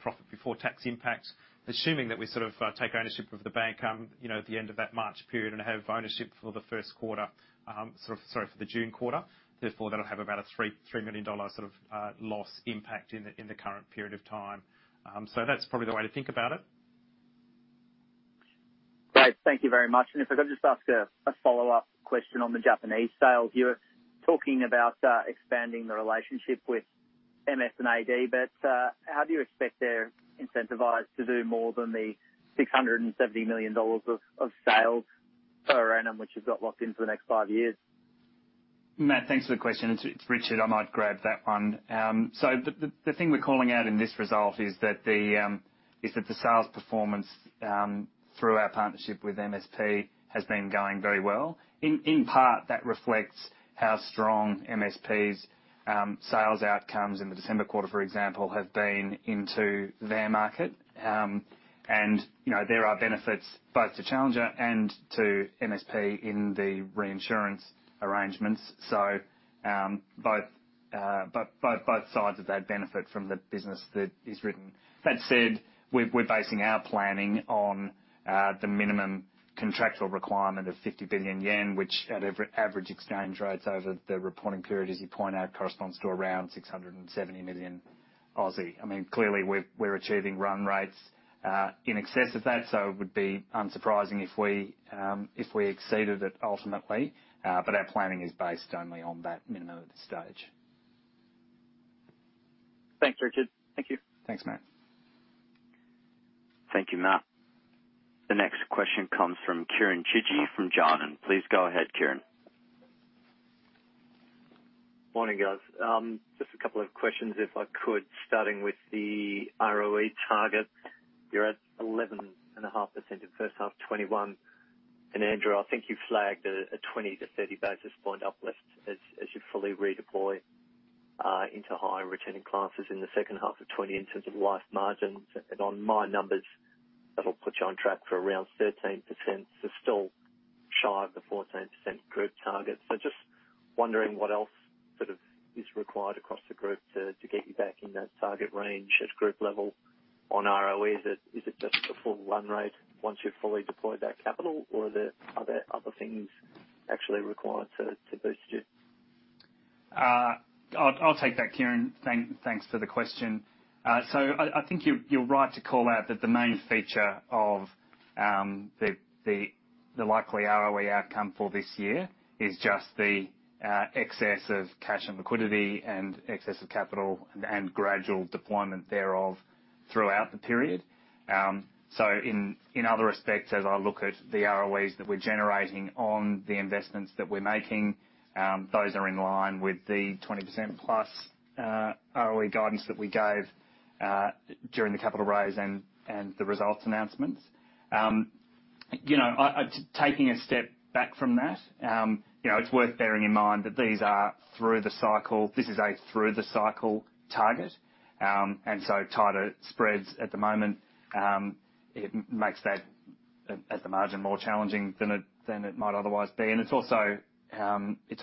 profit before tax impact. Assuming that we take ownership of the bank at the end of that March period and have ownership for the June quarter, therefore, that'll have about an 3 million dollar sort of loss impact in the current period of time. That's probably the way to think about it. Great. Thank you very much. If I could just ask a follow-up question on the Japanese sales. You were talking about expanding the relationship with MS&AD. How do you expect they're incentivized to do more than the 670 million dollars of sales per annum, which you've got locked in for the next five years? Matt, thanks for the question. It's Richard. I might grab that one. The thing we're calling out in this result is that the sales performance through our partnership with MSP has been going very well. In part, that reflects how strong MSP's sales outcomes in the December quarter, for example, have been into their market. There are benefits both to Challenger and to MSP in the reinsurance arrangements. Both sides of that benefit from the business that is written. That said, we're basing our planning on the minimum contractual requirement of 50 billion yen, which at average exchange rates over the reporting period, as you point out, corresponds to around 670 million. Clearly, we're achieving run rates in excess of that, so it would be unsurprising if we exceeded it ultimately. Our planning is based only on that minimum at this stage. Thanks, Richard. Thank you. Thanks, Matt. Thank you, Matt. The next question comes from Kieren Chidgey from Jarden. Please go ahead, Kieren. Morning, guys. Just a couple of questions, if I could. Starting with the ROE target. You're at 11.5% in first half 2021. Andrew, I think you flagged a 20 basis points-30 basis point uplift as you fully redeploy into higher returning classes in the second half of 2020 in terms of life margins. On my numbers, that'll put you on track for around 13%, so still shy of the 14% group target. Just wondering what else sort of is required across the group to get you back in that target range at group level on ROE. Is it just the full run rate once you've fully deployed that capital, or are there other things actually required to boost you? I'll take that, Kieren. Thanks for the question. I think you're right to call out that the main feature of the likely ROE outcome for this year is just the excess of cash and liquidity and excess of capital and gradual deployment thereof throughout the period. In other respects, as I look at the ROEs that we're generating on the investments that we're making, those are in line with the 20% plus ROE guidance that we gave during the capital raise and the results announcements. Taking a step back from that, it's worth bearing in mind that this is a through the cycle target, tighter spreads at the moment, it makes that at the margin, more challenging than it might otherwise be. It's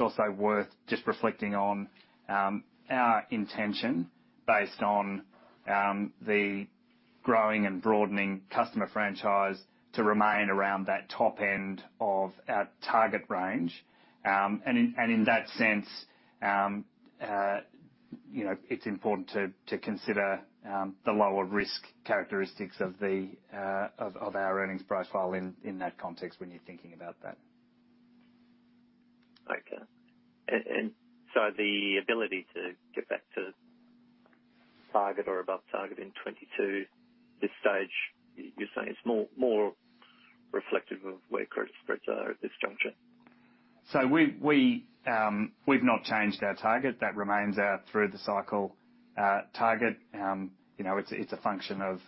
also worth just reflecting on our intention based on the growing and broadening customer franchise to remain around that top end of our target range. In that sense, it's important to consider the lower risk characteristics of our earnings profile in that context when you're thinking about that. Okay. The ability to get back to target or above target in 2022, this stage, you're saying it's more reflective of where credit spreads are at this juncture? We've not changed our target. That remains our through the cycle target. It's a function of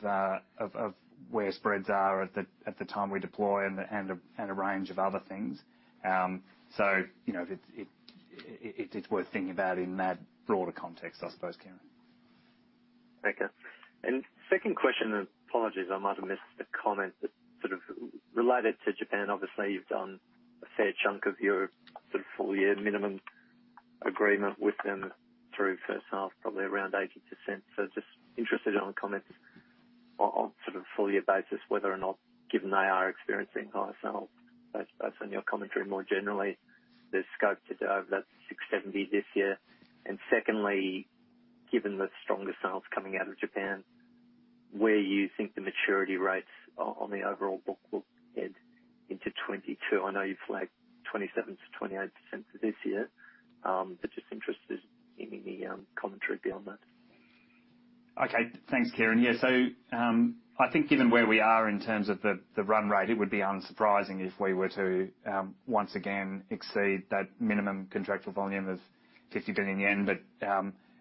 where spreads are at the time we deploy and a range of other things. It's worth thinking about in that broader context, I suppose, Kieren. Okay. Second question, apologies, I might have missed a comment that sort of related to Japan. Obviously, you've done a fair chunk of your sort of full year minimum agreement with them through first half, probably around 80%. Just interested on comments on sort of full year basis, whether or not, given they are experiencing higher sales based on your commentary more generally, there's scope to do over that 6 billion-7 billion this year. Secondly, given the stronger sales coming out of Japan, where you think the maturity rates on the overall book will head into 2022. I know you flagged 27%-28% for this year, but just interested in any commentary beyond that. Okay. Thanks, Kieren. I think given where we are in terms of the run rate, it would be unsurprising if we were to once again exceed that minimum contractual volume of 50 billion yen.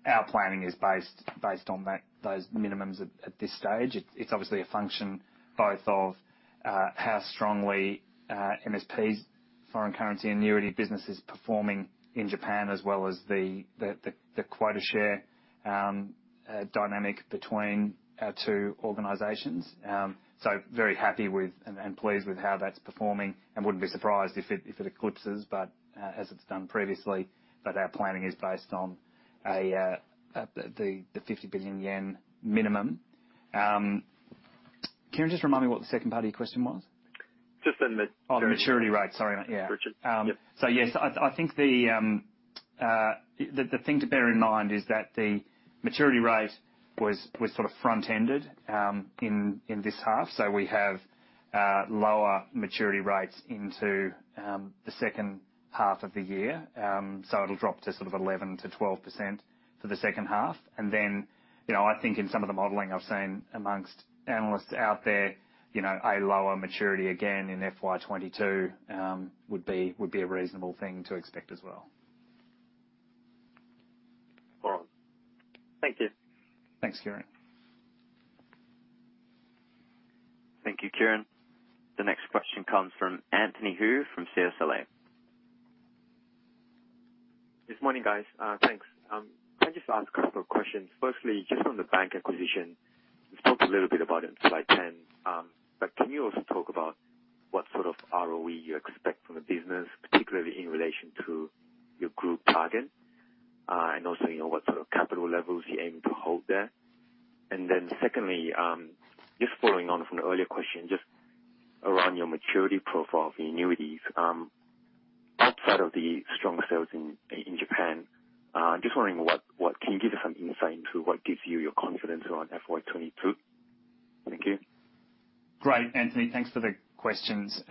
Our planning is based on those minimums at this stage. It's obviously a function both of how strongly MSP's foreign currency annuity business is performing in Japan, as well as the quota share dynamic between our two organizations. Very happy with and pleased with how that's performing and wouldn't be surprised if it eclipses, but as it's done previously, but our planning is based on the 50 billion JPY minimum. Kieren, just remind me what the second part of your question was. Just the maturity- Oh, the maturity rate. Sorry about that. Richard. Yep. Yes, I think the thing to bear in mind is that the maturity rate was sort of front-ended in this half. We have lower maturity rates into the second half of the year. It'll drop to sort of 11%-12% for the second half. Then, I think in some of the modeling I've seen amongst analysts out there, a lower maturity again in FY 2022 would be a reasonable thing to expect as well. All right. Thank you. Thanks, Kieren. Thank you, Kieren. The next question comes from Anthony Hoo from CLSA. Good morning, guys. Thanks. Can I just ask a couple of questions? Just on the bank acquisition, you've talked a little bit about it in slide 10, can you also talk about what sort of ROE you expect from the business, particularly in relation to your group target? Also, what sort of capital levels you aim to hold there. Then secondly, just following on from the earlier question, just around your maturity profile for annuities. Outside of the strong sales in Japan, I'm just wondering, can you give us some insight into what gives you your confidence around FY 2022? Thank you. Great, Anthony. Thanks for the questions.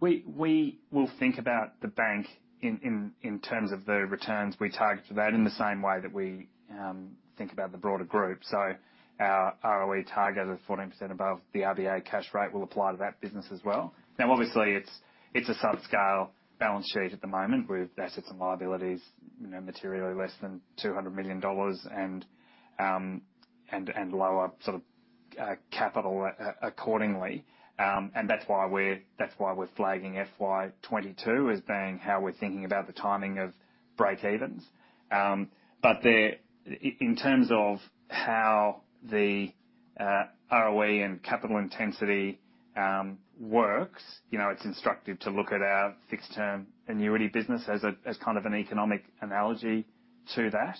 We will think about the bank in terms of the returns we target for that in the same way that we think about the broader group. Our ROE target of 14% above the RBA cash rate will apply to that business as well. Obviously, it's a sub-scale balance sheet at the moment, with assets and liabilities materially less than 200 million dollars, and lower capital accordingly. That's why we're flagging FY 2022 as being how we're thinking about the timing of breakevens. In terms of how the ROE and capital intensity works, it's instructive to look at our fixed term annuity business as kind of an economic analogy to that.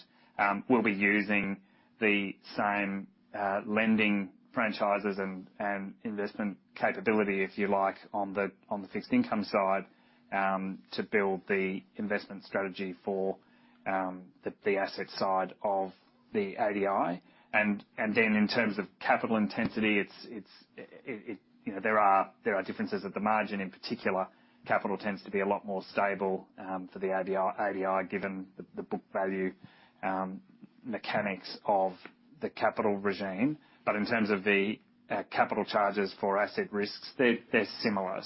We'll be using the same lending franchises and investment capability, if you like, on the fixed income side, to build the investment strategy for the asset side of the ADI. In terms of capital intensity, there are differences at the margin. In particular, capital tends to be a lot more stable for the ADI, given the book value mechanics of the capital regime. In terms of the capital charges for asset risks, they're similar.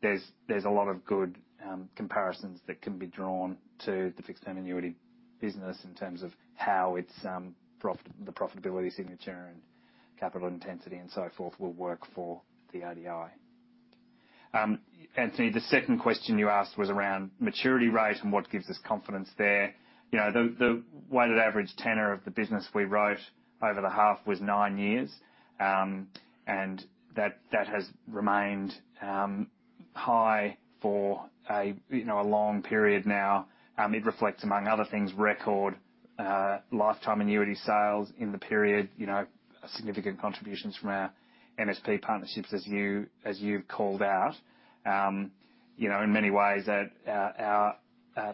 There's a lot of good comparisons that can be drawn to the fixed term annuity business in terms of how the profitability signature and capital intensity and so forth will work for the ADI. Anthony, the second question you asked was around maturity rate and what gives us confidence there. The weighted average tenor of the business we wrote over the half was nine years, and that has remained high for a long period now. It reflects, among other things, record lifetime annuity sales in the period, significant contributions from our MSP partnerships, as you've called out. In many ways, our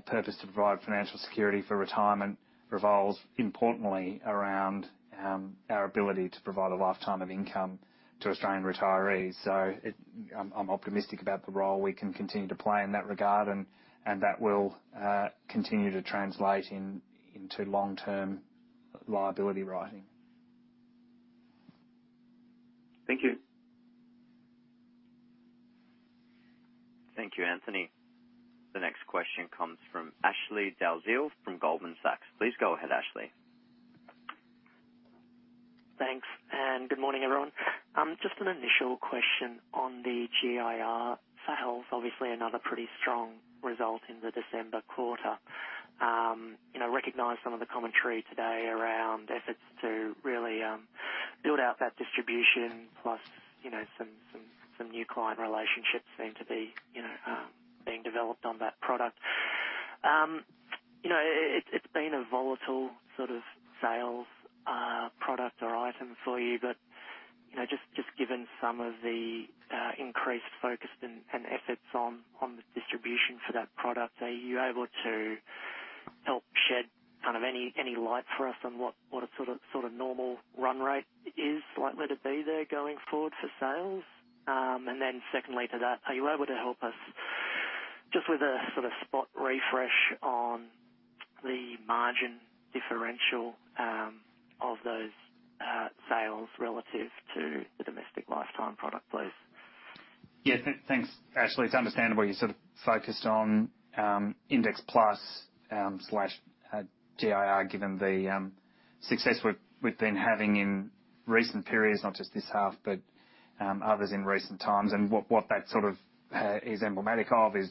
purpose to provide financial security for retirement revolves importantly around our ability to provide a lifetime of income to Australian retirees. I'm optimistic about the role we can continue to play in that regard, and that will continue to translate into long-term liability writing. Thank you. Thank you, Anthony. The next question comes from Ashley Dalziell from Goldman Sachs. Please go ahead, Ashley. Thanks. Good morning, everyone. Just an initial question on the GIR sales. Obviously, another pretty strong result in the December quarter. Recognize some of the commentary today around efforts to really build out that distribution plus some new client relationships seem to be being developed on that product. It's been a volatile sort of sales product or item for you, but just given some of the increased focus and efforts on the distribution for that product, are you able to help shed kind of any light for us on what a sort of normal run rate is likely to be there going forward for sales? Secondly to that, are you able to help us just with a sort of spot refresh on the margin differential of those sales relative to the domestic lifetime product, please? Yeah. Thanks, Ashley. It's understandable you're sort of focused on Index Plus/GIR given the success we've been having in recent periods, not just this half, but others in recent times. What that sort of is emblematic of is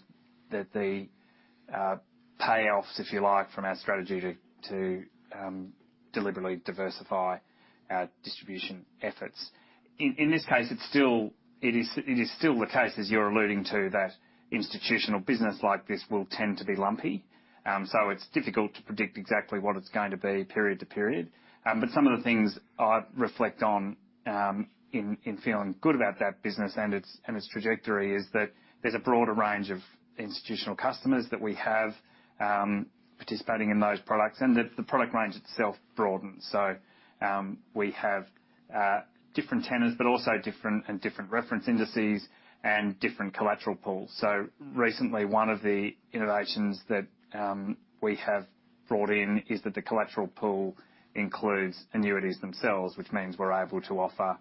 that the payoffs, if you like, from our strategy to deliberately diversify our distribution efforts. In this case, it is still the case, as you're alluding to, that institutional business like this will tend to be lumpy. It's difficult to predict exactly what it's going to be period to period. Some of the things I reflect on in feeling good about that business and its trajectory is that there's a broader range of institutional customers that we have participating in those products, and the product range itself broadens. We have different tenors, but also different reference indices and different collateral pools. Recently, one of the innovations that we have brought in is that the collateral pool includes annuities themselves, which means we're able to offer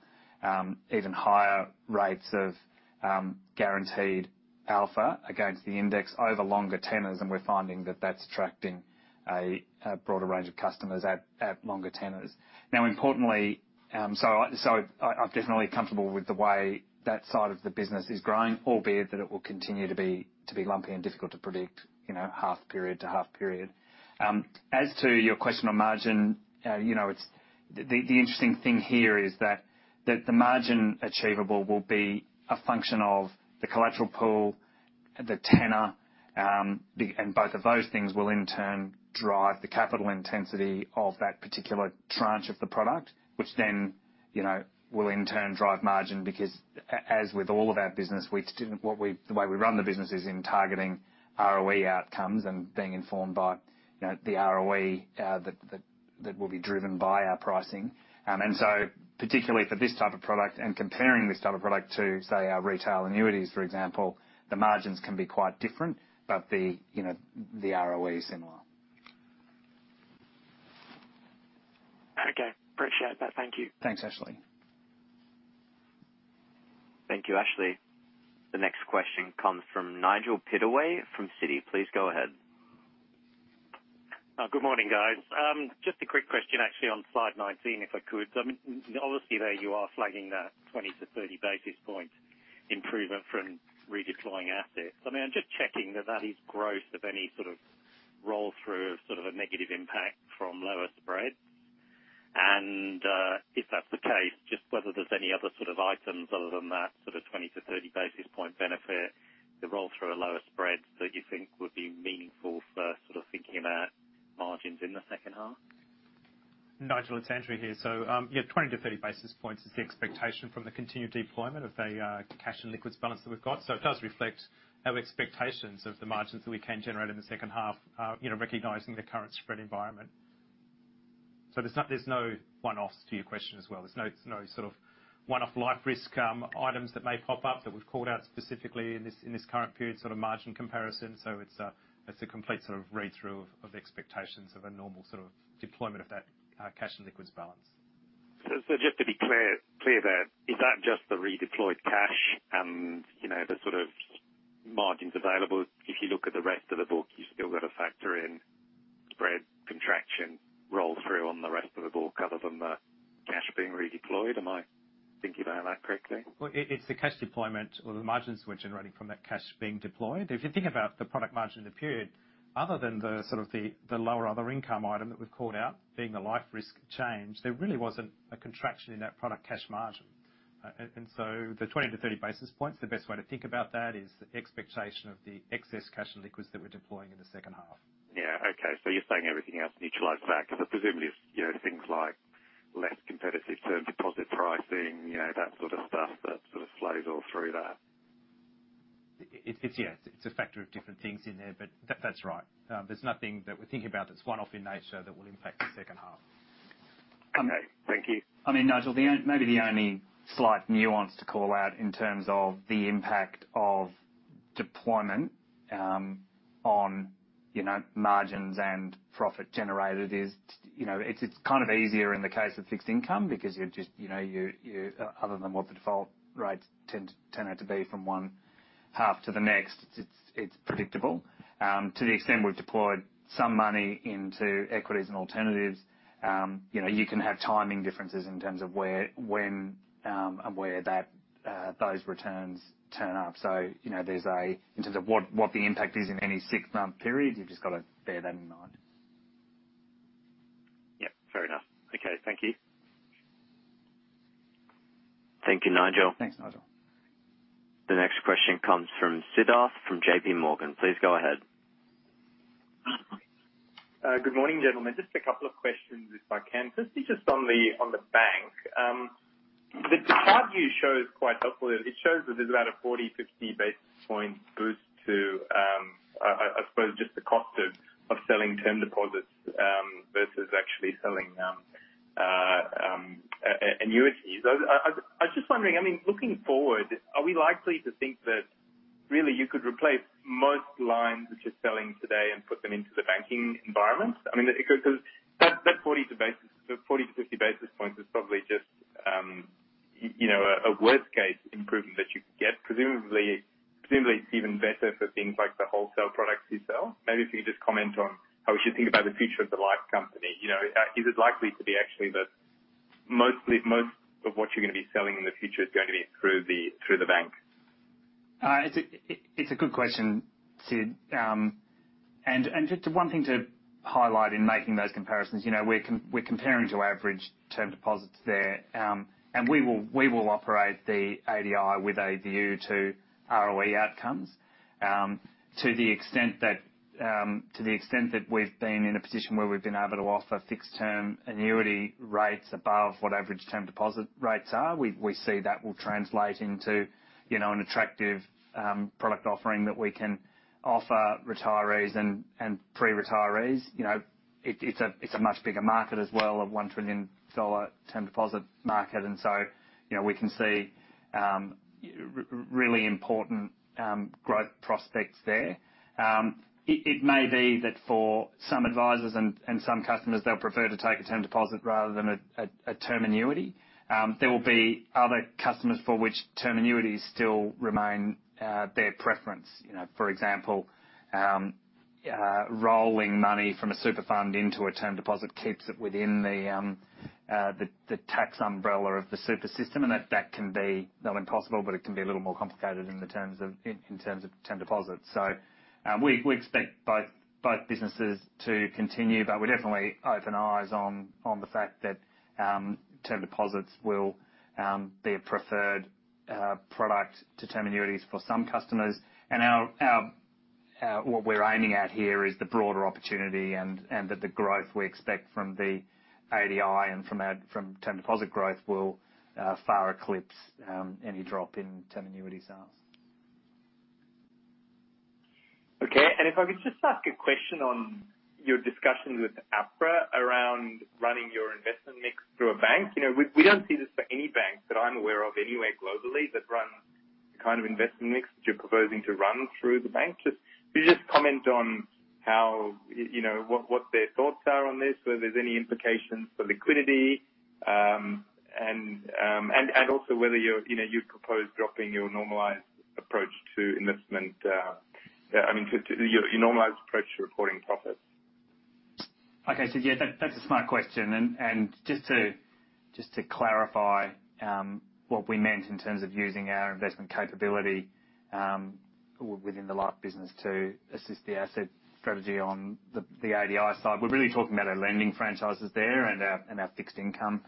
even higher rates of guaranteed alpha against the index over longer tenors, and we're finding that that's attracting a broader range of customers at longer tenors. Importantly, I'm definitely comfortable with the way that side of the business is growing, albeit that it will continue to be lumpy and difficult to predict half period to half period. As to your question on margin, the interesting thing here is that the margin achievable will be a function of the collateral pool, the tenor, and both of those things will in turn drive the capital intensity of that particular tranche of the product, which then will in turn drive margin because, as with all of our business, the way we run the business is in targeting ROE outcomes and being informed by the ROE that will be driven by our pricing. Particularly for this type of product and comparing this type of product to, say, our retail annuities, for example, the margins can be quite different. The ROE is similar. Okay. Appreciate that. Thank you. Thanks, Ashley. Thank you, Ashley. The next question comes from Nigel Pittaway from Citi. Please go ahead. Good morning, guys. Just a quick question actually on slide 19, if I could. Obviously, there you are flagging that 20 basis points-30 basis point improvement from redeploying assets. I'm just checking that is growth of any sort of roll-through of sort of a negative impact from lower spread. If that's the case, just whether there's any other sort of items other than that sort of 20 to 30 basis point benefit, the roll-through of lower spreads that you think would be meaningful for sort of thinking about margins in the second half. Nigel, it's Andrew here. Yeah, 20 basis points-30 basis points is the expectation from the continued deployment of the cash and liquids balance that we've got. It does reflect our expectations of the margins that we can generate in the second half, recognizing the current spread environment. There's no one-offs to your question as well. There's no sort of one-off life risk items that may pop up that we've called out specifically in this current period sort of margin comparison. It's a complete sort of read-through of expectations of a normal sort of deployment of that cash and liquids balance. Just to be clear there, is that just the redeployed cash and the sort of margins available? If you look at the rest of the book, you still got to factor in spread contraction roll-through on the rest of the book other than the cash being redeployed. Am I thinking about that correctly? It's the cash deployment or the margins we're generating from that cash being deployed. If you think about the product margin in the period, other than the sort of the lower other income item that we've called out being a life risk change, there really wasn't a contraction in that product cash margin. The 20 basis points-30 basis points, the best way to think about that is the expectation of the excess cash and liquids that we're deploying in the second half. Yeah. Okay. You're saying everything else neutralizes that, because presumably, things like less competitive term deposit pricing, that sort of stuff that sort of flows all through that. It's, yeah. It's a factor of different things in there, but that's right. There's nothing that we're thinking about that's one-off in nature that will impact the second half. Okay. Thank you. Nigel, maybe the only slight nuance to call out in terms of the impact of deployment on margins and profit generated is, it's kind of easier in the case of fixed income because other than what the default rates tend to turn out to be from one half to the next, it's predictable. To the extent we've deployed some money into equities and alternatives, you can have timing differences in terms of when and where those returns turn up. In terms of what the impact is in any six-month period, you've just got to bear that in mind. Yeah. Fair enough. Okay. Thank you. Thank you, Nigel. Thanks, Nigel. The next question comes from Siddharth from JPMorgan. Please go ahead. Good morning, gentlemen. Just a couple of questions, if I can. Firstly, just on the bank. The chart view shows quite helpful. It shows that there's about a 40 basis points, 50 basis point boost to, I suppose, just the cost of selling term deposits versus actually selling annuities. I was just wondering, looking forward, are we likely to think that really you could replace most lines which you're selling today and put them into the banking environment? Because that 40 basis points to 50 basis points is probably just a worst-case improvement that you could get. Presumably, it's even better for things like the wholesale products you sell. Maybe if you could just comment on how we should think about the future of the life company. Is it likely to be actually that most of what you're going to be selling in the future is going to be through the bank? It's a good question, Sid. Just one thing to highlight in making those comparisons, we're comparing to average term deposits there. We will operate the ADI with a view to ROE outcomes. To the extent that we've been in a position where we've been able to offer fixed-term annuity rates above what average term deposit rates are, we see that will translate into an attractive product offering that we can offer retirees and pre-retirees. It's a much bigger market as well, a 1 trillion dollar term deposit market, we can see really important growth prospects there. It may be that for some advisors and some customers, they'll prefer to take a term deposit rather than a term annuity. There will be other customers for which term annuities still remain their preference. For example, rolling money from a super fund into a term deposit keeps it within the tax umbrella of the super system. That can be not impossible, but it can be a little more complicated in terms of term deposits. We expect both businesses to continue, but we definitely open our eyes on the fact that term deposits will be a preferred product to term annuities for some customers. What we're aiming at here is the broader opportunity and that the growth we expect from the ADI and from term deposit growth will far eclipse any drop in term annuity sales. Okay. If I could just ask a question on your discussions with APRA around running your investment mix through a bank. We don't see this for any bank that I am aware of anywhere globally that runs the kind of investment mix that you are proposing to run through the bank. Just could you just comment on what their thoughts are on this, whether there is any implications for liquidity, and also whether you propose dropping your normalized approach to reporting profits? Okay. Yeah, that's a smart question. Just to clarify what we meant in terms of using our investment capability within the life business to assist the asset strategy on the ADI side, we're really talking about our lending franchises there and our fixed income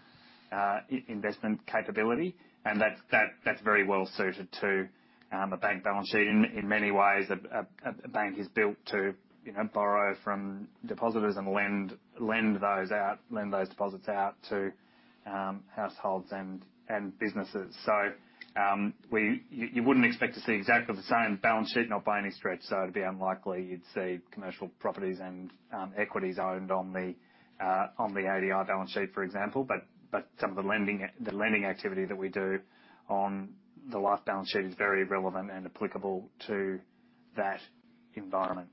investment capability. That's very well suited to a bank balance sheet. In many ways, a bank is built to borrow from depositors and lend those deposits out to households and businesses. You wouldn't expect to see exactly the same balance sheet, not by any stretch. It'd be unlikely you'd see commercial properties and equities owned on the ADI balance sheet, for example. Some of the lending activity that we do on the life balance sheet is very relevant and applicable to that environment.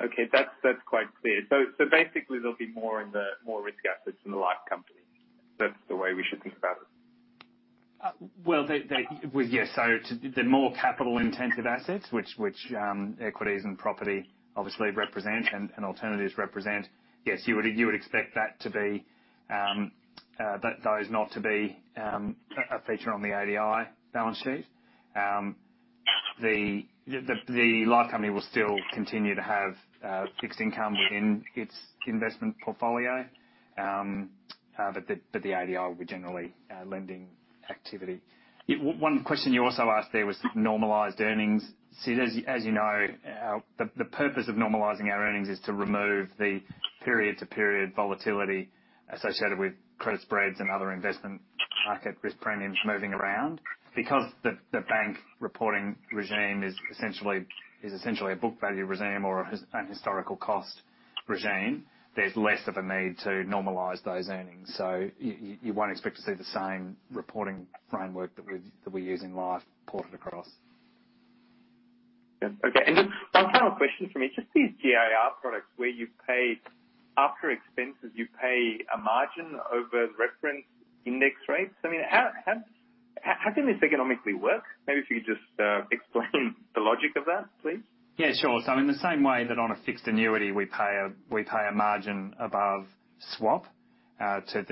Okay. That's quite clear. Basically, there'll be more in the risk assets in the life company. That's the way we should think about it. Yes. The more capital-intensive assets, which equities and property obviously represent, and alternatives represent, yes, you would expect those not to be a feature on the ADI balance sheet. The life company will still continue to have fixed income within its investment portfolio. The ADI will be generally lending activity. One question you also asked there was normalized earnings. Sid, as you know, the purpose of normalizing our earnings is to remove the period-to-period volatility associated with credit spreads and other investment market risk premiums moving around. Because the bank reporting regime is essentially a book value regime or an historical cost regime, there's less of a need to normalize those earnings. You won't expect to see the same reporting framework that we use in life ported across. Okay. Just one final question from me. Just these GIR products where, after expenses, you pay a margin over reference index rates. How can this economically work? Maybe if you could just explain the logic of that, please. Yeah, sure. In the same way that on a fixed annuity, we pay a margin above swap to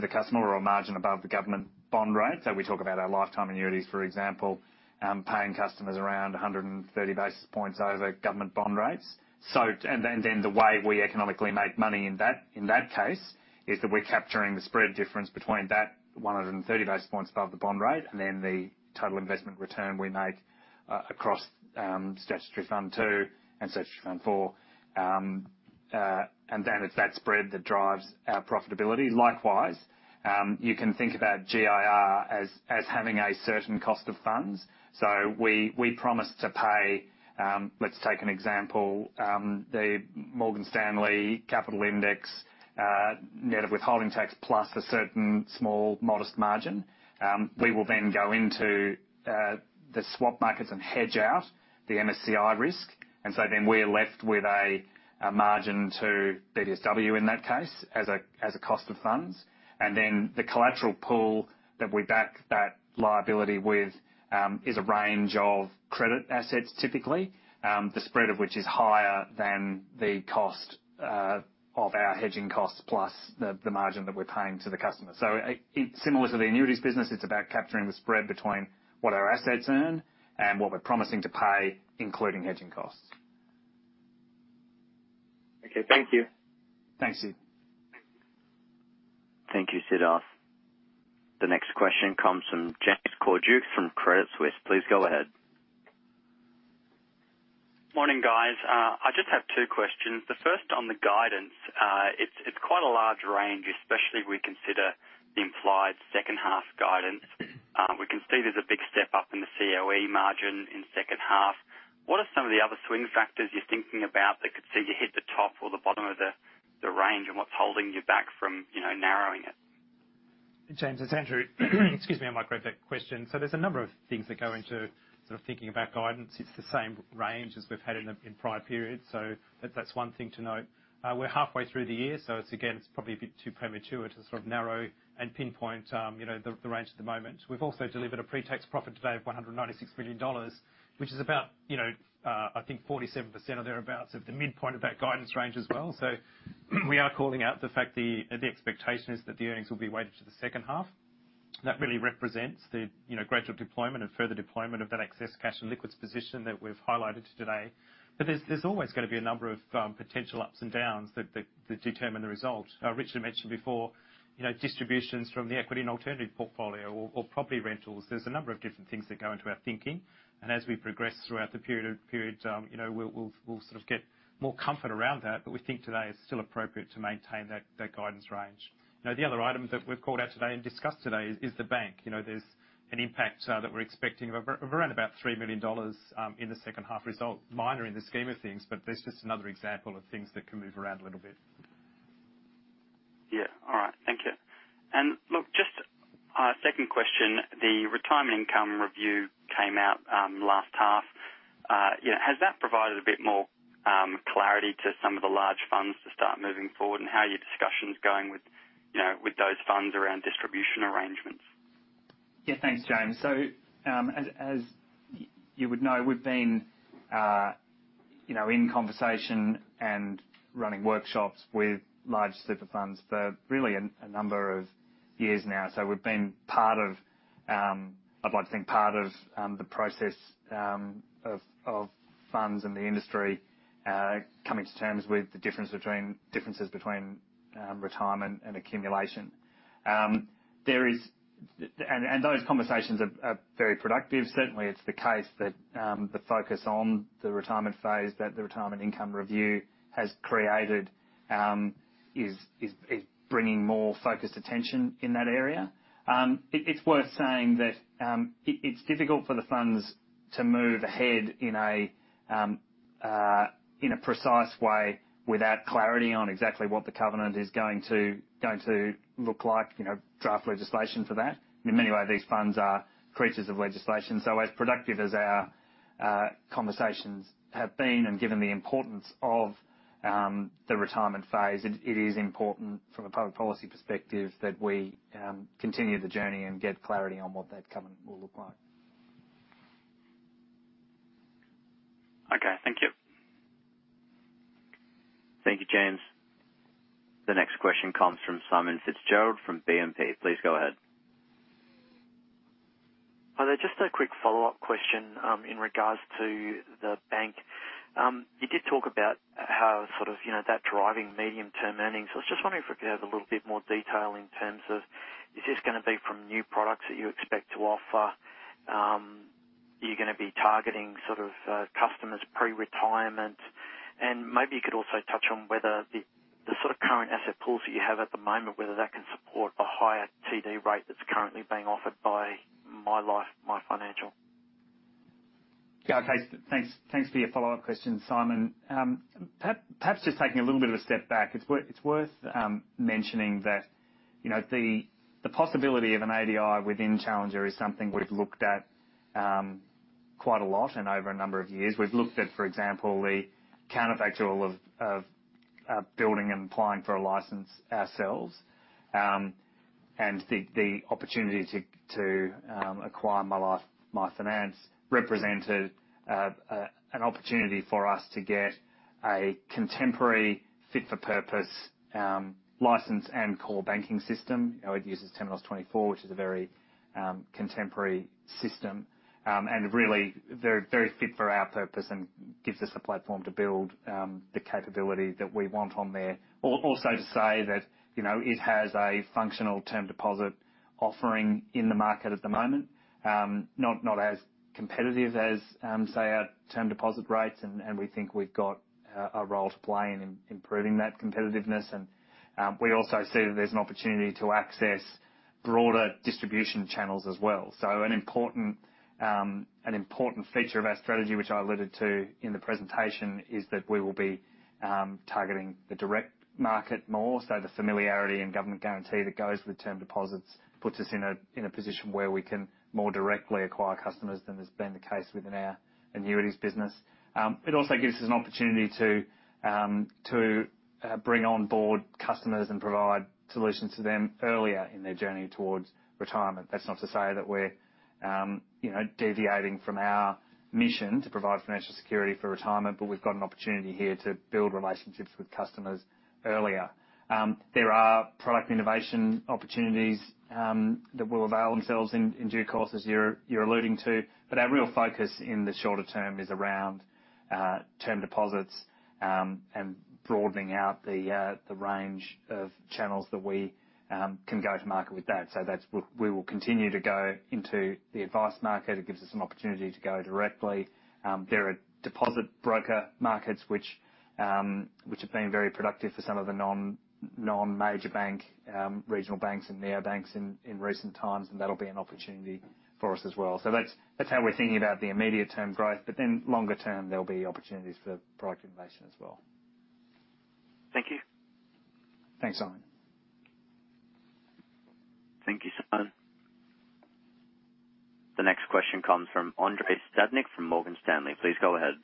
the customer or a margin above the government bond rate. We talk about our lifetime annuities, for example, paying customers around 130 basis points over government bond rates. The way we economically make money in that case is that we're capturing the spread difference between that 130 basis points above the bond rate and then the total investment return we make across Statutory Fund No. 2 and Statutory Fund No. 4. It's that spread that drives our profitability. Likewise, you can think about GIR as having a certain cost of funds. We promise to pay, let's take an example, the Morgan Stanley capital index net of withholding tax plus a certain small modest margin. We will then go into the swap markets and hedge out the MSCI risk. Then we are left with a margin to BBSW, in that case, as a cost of funds. Then the collateral pool that we back that liability with is a range of credit assets, typically, the spread of which is higher than the cost of our hedging costs plus the margin that we're paying to the customer. Similar to the annuities business, it's about capturing the spread between what our assets earn and what we're promising to pay, including hedging costs. Okay. Thank you. Thanks, Sid. Thank you, Sid. The next question comes from James Cordukes from Credit Suisse. Please go ahead. Morning, guys. I just have two questions. The first on the guidance. It's quite a large range, especially if we consider the implied second half guidance. We can see there's a big step-up in the COE margin in second half. What are some of the other swing factors you're thinking about that could see you hit the top or the bottom of the range and what's holding you back from narrowing it? James, it's Andrew. Excuse me on my great question. There's a number of things that go into sort of thinking about guidance. It's the same range as we've had in prior periods. That's one thing to note. We're halfway through the year, so again, it's probably a bit too premature to sort of narrow and pinpoint the range at the moment. We've also delivered a pretax profit today of AUD 196 million, which is about I think 47% or thereabout, so at the midpoint of that guidance range as well. We are calling out the fact the expectation is that the earnings will be weighted to the second half. That really represents the gradual deployment and further deployment of that excess cash and liquids position that we've highlighted today. There's always going to be a number of potential ups and downs that determine the result. Richard mentioned before, distributions from the equity and alternative portfolio or property rentals. There's a number of different things that go into our thinking. As we progress throughout the period, we'll sort of get more comfort around that. We think today is still appropriate to maintain that guidance range. The other item that we've called out today and discussed today is the bank. There's an impact that we're expecting of around about 3 million dollars in the second half result. Minor in the scheme of things, but that's just another example of things that can move around a little bit. Yeah. All right. Thank you. Look, just a second question. The Retirement Income Review came out last half. Has that provided a bit more clarity to some of the large funds to start moving forward and how are your discussions going with those funds around distribution arrangements? Yeah. Thanks, James. As you would know, we've been in conversation and running workshops with large super funds for really a number of years now. We've been, I'd like to think, part of the process of funds and the industry coming to terms with the differences between retirement and accumulation. Those conversations are very productive. Certainly, it's the case that the focus on the retirement phase, that the Retirement Income Review has created, is bringing more focused attention in that area. It's worth saying that it's difficult for the funds to move ahead in a precise way without clarity on exactly what the covenant is going to look like, draft legislation for that. In many ways, these funds are creatures of legislation. As productive as our conversations have been, and given the importance of the retirement phase, it is important from a public policy perspective that we continue the journey and get clarity on what that covenant will look like. Okay. Thank you. Thank you, James. The next question comes from Simon Fitzgerald from E&P. Please go ahead. Hi there. Just a quick follow-up question in regards to the bank. You did talk about how sort of that driving medium-term earnings. I was just wondering if we could have a little bit more detail in terms of, is this going to be from new products that you expect to offer? Are you going to be targeting sort of customers pre-retirement? Maybe you could also touch on whether the sort of current asset pools that you have at the moment, whether that can support a higher TD rate that's currently being offered by MyLife MyFinance? Okay. Thanks for your follow-up question, Simon. Perhaps just taking a little bit of a step back. It's worth mentioning that the possibility of an ADI within Challenger is something we've looked at quite a lot and over a number of years. We've looked at, for example, the counterfactual of building and applying for a license ourselves. The opportunity to acquire MyLife MyFinance represented an opportunity for us to get a contemporary fit for purpose license and core banking system. It uses Temenos T24, which is a very contemporary system, really very fit for our purpose and gives us a platform to build the capability that we want on there. Also to say that it has a functional term deposit offering in the market at the moment. Not as competitive as, say, our term deposit rates, and we think we've got a role to play in improving that competitiveness. We also see that there's an opportunity to access broader distribution channels as well. An important feature of our strategy, which I alluded to in the presentation, is that we will be targeting the direct market more. The familiarity and government guarantee that goes with term deposits puts us in a position where we can more directly acquire customers than has been the case within our annuities business. It also gives us an opportunity to bring on board customers and provide solutions to them earlier in their journey towards retirement. That's not to say that we're deviating from our mission to provide financial security for retirement, but we've got an opportunity here to build relationships with customers earlier. There are product innovation opportunities that will avail themselves in due course, as you're alluding to. Our real focus in the shorter term is around term deposits and broadening out the range of channels that we can go to market with that. We will continue to go into the advice market. It gives us an opportunity to go directly. There are deposit broker markets which have been very productive for some of the non-major bank, regional banks and neobanks in recent times, and that'll be an opportunity for us as well. That's how we're thinking about the immediate term growth. Then longer term, there'll be opportunities for product innovation as well. Thank you. Thanks, Simon. Thank you, Simon. The next question comes from Andrei Stadnik from Morgan Stanley. Please go ahead.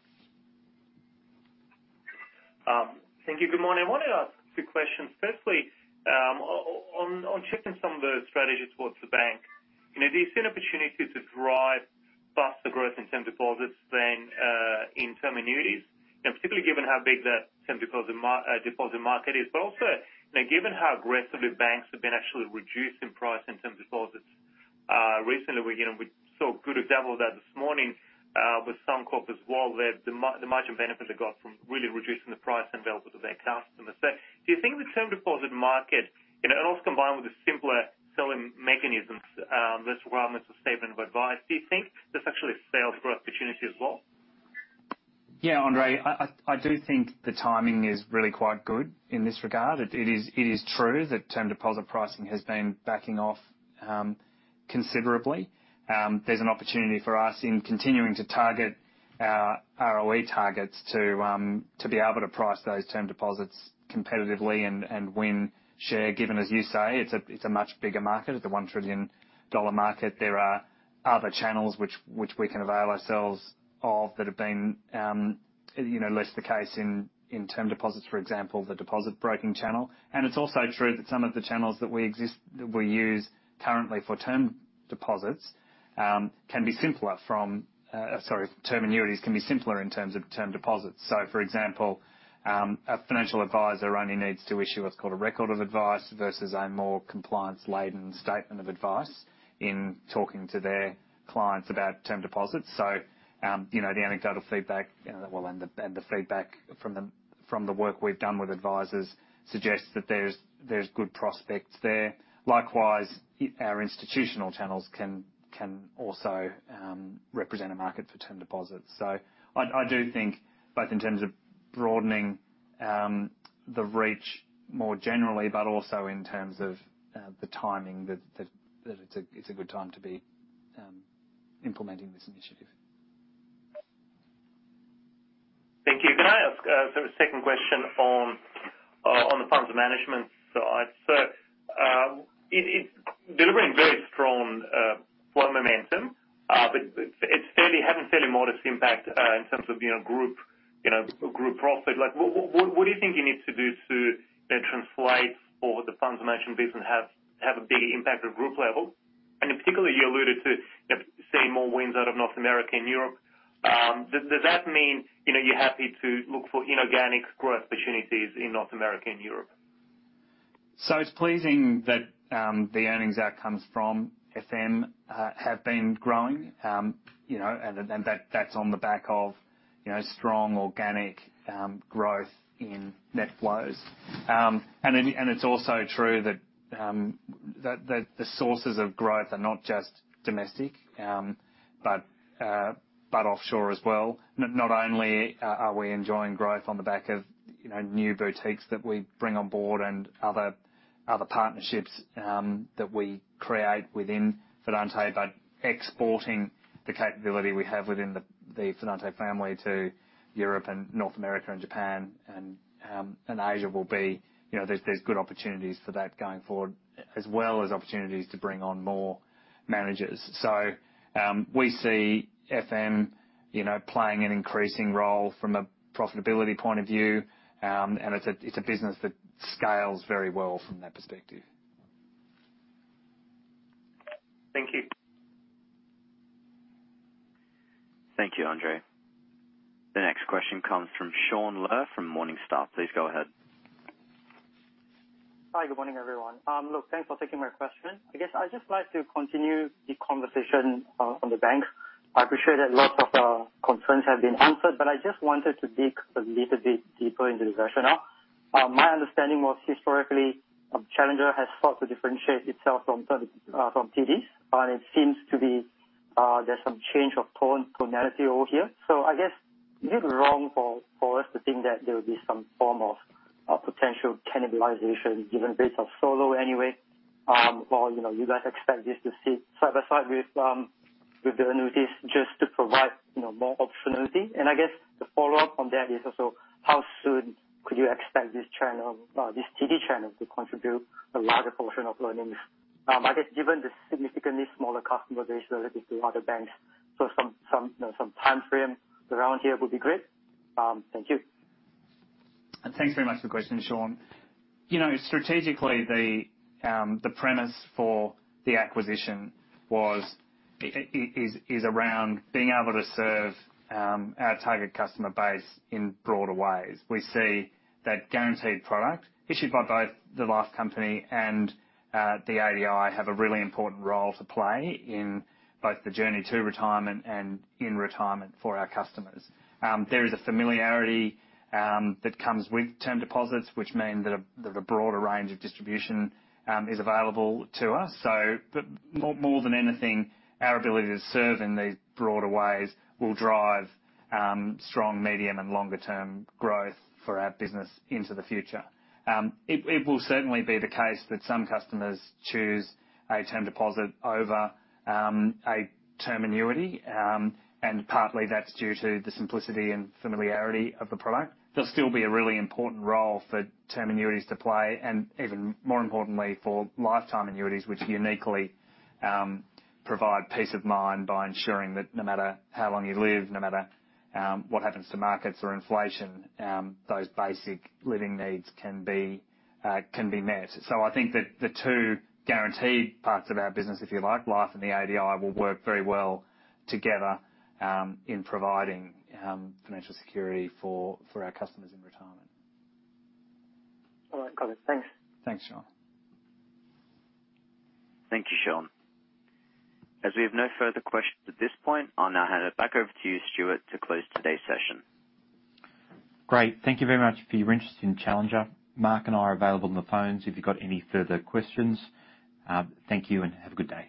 Thank you. Good morning. I wanted to ask two questions. Firstly, on Challenger some of the strategies towards the bank. Do you see an opportunity to drive faster growth in term deposits than in term annuities? Particularly given how big the term deposit market is. Also, given how aggressively banks have been actually reducing price in term deposits. Recently, we saw a good example of that this morning with Suncorp as well, the margin benefit they got from really reducing the price available to their customers. Do you think the term deposit market, and also combined with the simpler selling mechanisms, rather than the statement of advice, do you think there's actually a sales growth opportunity as well? Andrei, I do think the timing is really quite good in this regard. It is true that term deposit pricing has been backing off considerably. There's an opportunity for us in continuing to target our ROE targets to be able to price those term deposits competitively and win share, given, as you say, it's a much bigger market. It's a 1 trillion dollar market. There are other channels which we can avail ourselves of that have been less the case in term deposits, for example, the deposit broking channel. It's also true that some of the channels that we use currently for term annuities can be simpler in terms of term deposits. For example, a financial advisor only needs to issue what's called a record of advice versus a more compliance-laden statement of advice in talking to their clients about term deposits. The anecdotal feedback and the feedback from the work we've done with advisors suggests that there's good prospects there. Likewise, our institutional channels can also represent a market for term deposits. I do think, both in terms of broadening the reach more generally, but also in terms of the timing, that it's a good time to be implementing this initiative. Thank you. Can I ask a second question on the funds management side? It's delivering very strong flow momentum, but it's having fairly modest impact in terms of group profit. What do you think you need to do to translate what the funds management business have to have a bigger impact at group level? In particular, you alluded to seeing more wins out of North America and Europe. Does that mean you're happy to look for inorganic growth opportunities in North America and Europe? It's pleasing that the earnings outcomes from FM have been growing. That's on the back of strong organic growth in net flows. It's also true that the sources of growth are not just domestic, but offshore as well. Not only are we enjoying growth on the back of new boutiques that we bring on board and other partnerships that we create within Fidante, but exporting the capability we have within the Fidante family to Europe and North America and Japan and Asia. There's good opportunities for that going forward, as well as opportunities to bring on more managers. We see FM playing an increasing role from a profitability point of view. It's a business that scales very well from that perspective. Thank you. Thank you, Andrei. The next question comes from Shaun Ler from Morningstar. Please go ahead. Hi. Good morning, everyone. Thanks for taking my question. I guess I'd just like to continue the conversation on the bank. I appreciate that lots of concerns have been answered, I just wanted to dig a little bit deeper into the rationale. My understanding was historically, Challenger has sought to differentiate itself from TDs, it seems to be there's some change of tonality over here. I guess, is it wrong for us to think that there will be some form of potential cannibalization given rates are so low anyway? You guys expect this to sit side by side with the annuities just to provide more optionality. I guess the follow-up from that is also how soon could you expect this TD channel to contribute a larger portion of earnings? I guess given the significantly smaller customer base relative to other banks. Some time frame around here would be great. Thank you. Thanks very much for the question, Shaun. Strategically, the premise for the acquisition is around being able to serve our target customer base in broader ways. We see that guaranteed product issued by both the life company and the ADI have a really important role to play in both the journey to retirement and in retirement for our customers. There is a familiarity that comes with term deposits, which mean that a broader range of distribution is available to us. More than anything, our ability to serve in these broader ways will drive strong medium and longer term growth for our business into the future. It will certainly be the case that some customers choose a term deposit over a term annuity, and partly that's due to the simplicity and familiarity of the product. There'll still be a really important role for term annuities to play, and even more importantly, for lifetime annuities, which uniquely provide peace of mind by ensuring that no matter how long you live, no matter what happens to markets or inflation, those basic living needs can be met. I think that the two guaranteed parts of our business, if you like, life and the ADI, will work very well together in providing financial security for our customers in retirement. All right. Got it. Thanks. Thanks, Shaun. Thank you, Shaun. As we have no further questions at this point, I will now hand it back over to you, Stuart, to close today's session. Great. Thank you very much for your interest in Challenger. Mark and I are available on the phones if you've got any further questions. Thank you and have a good day.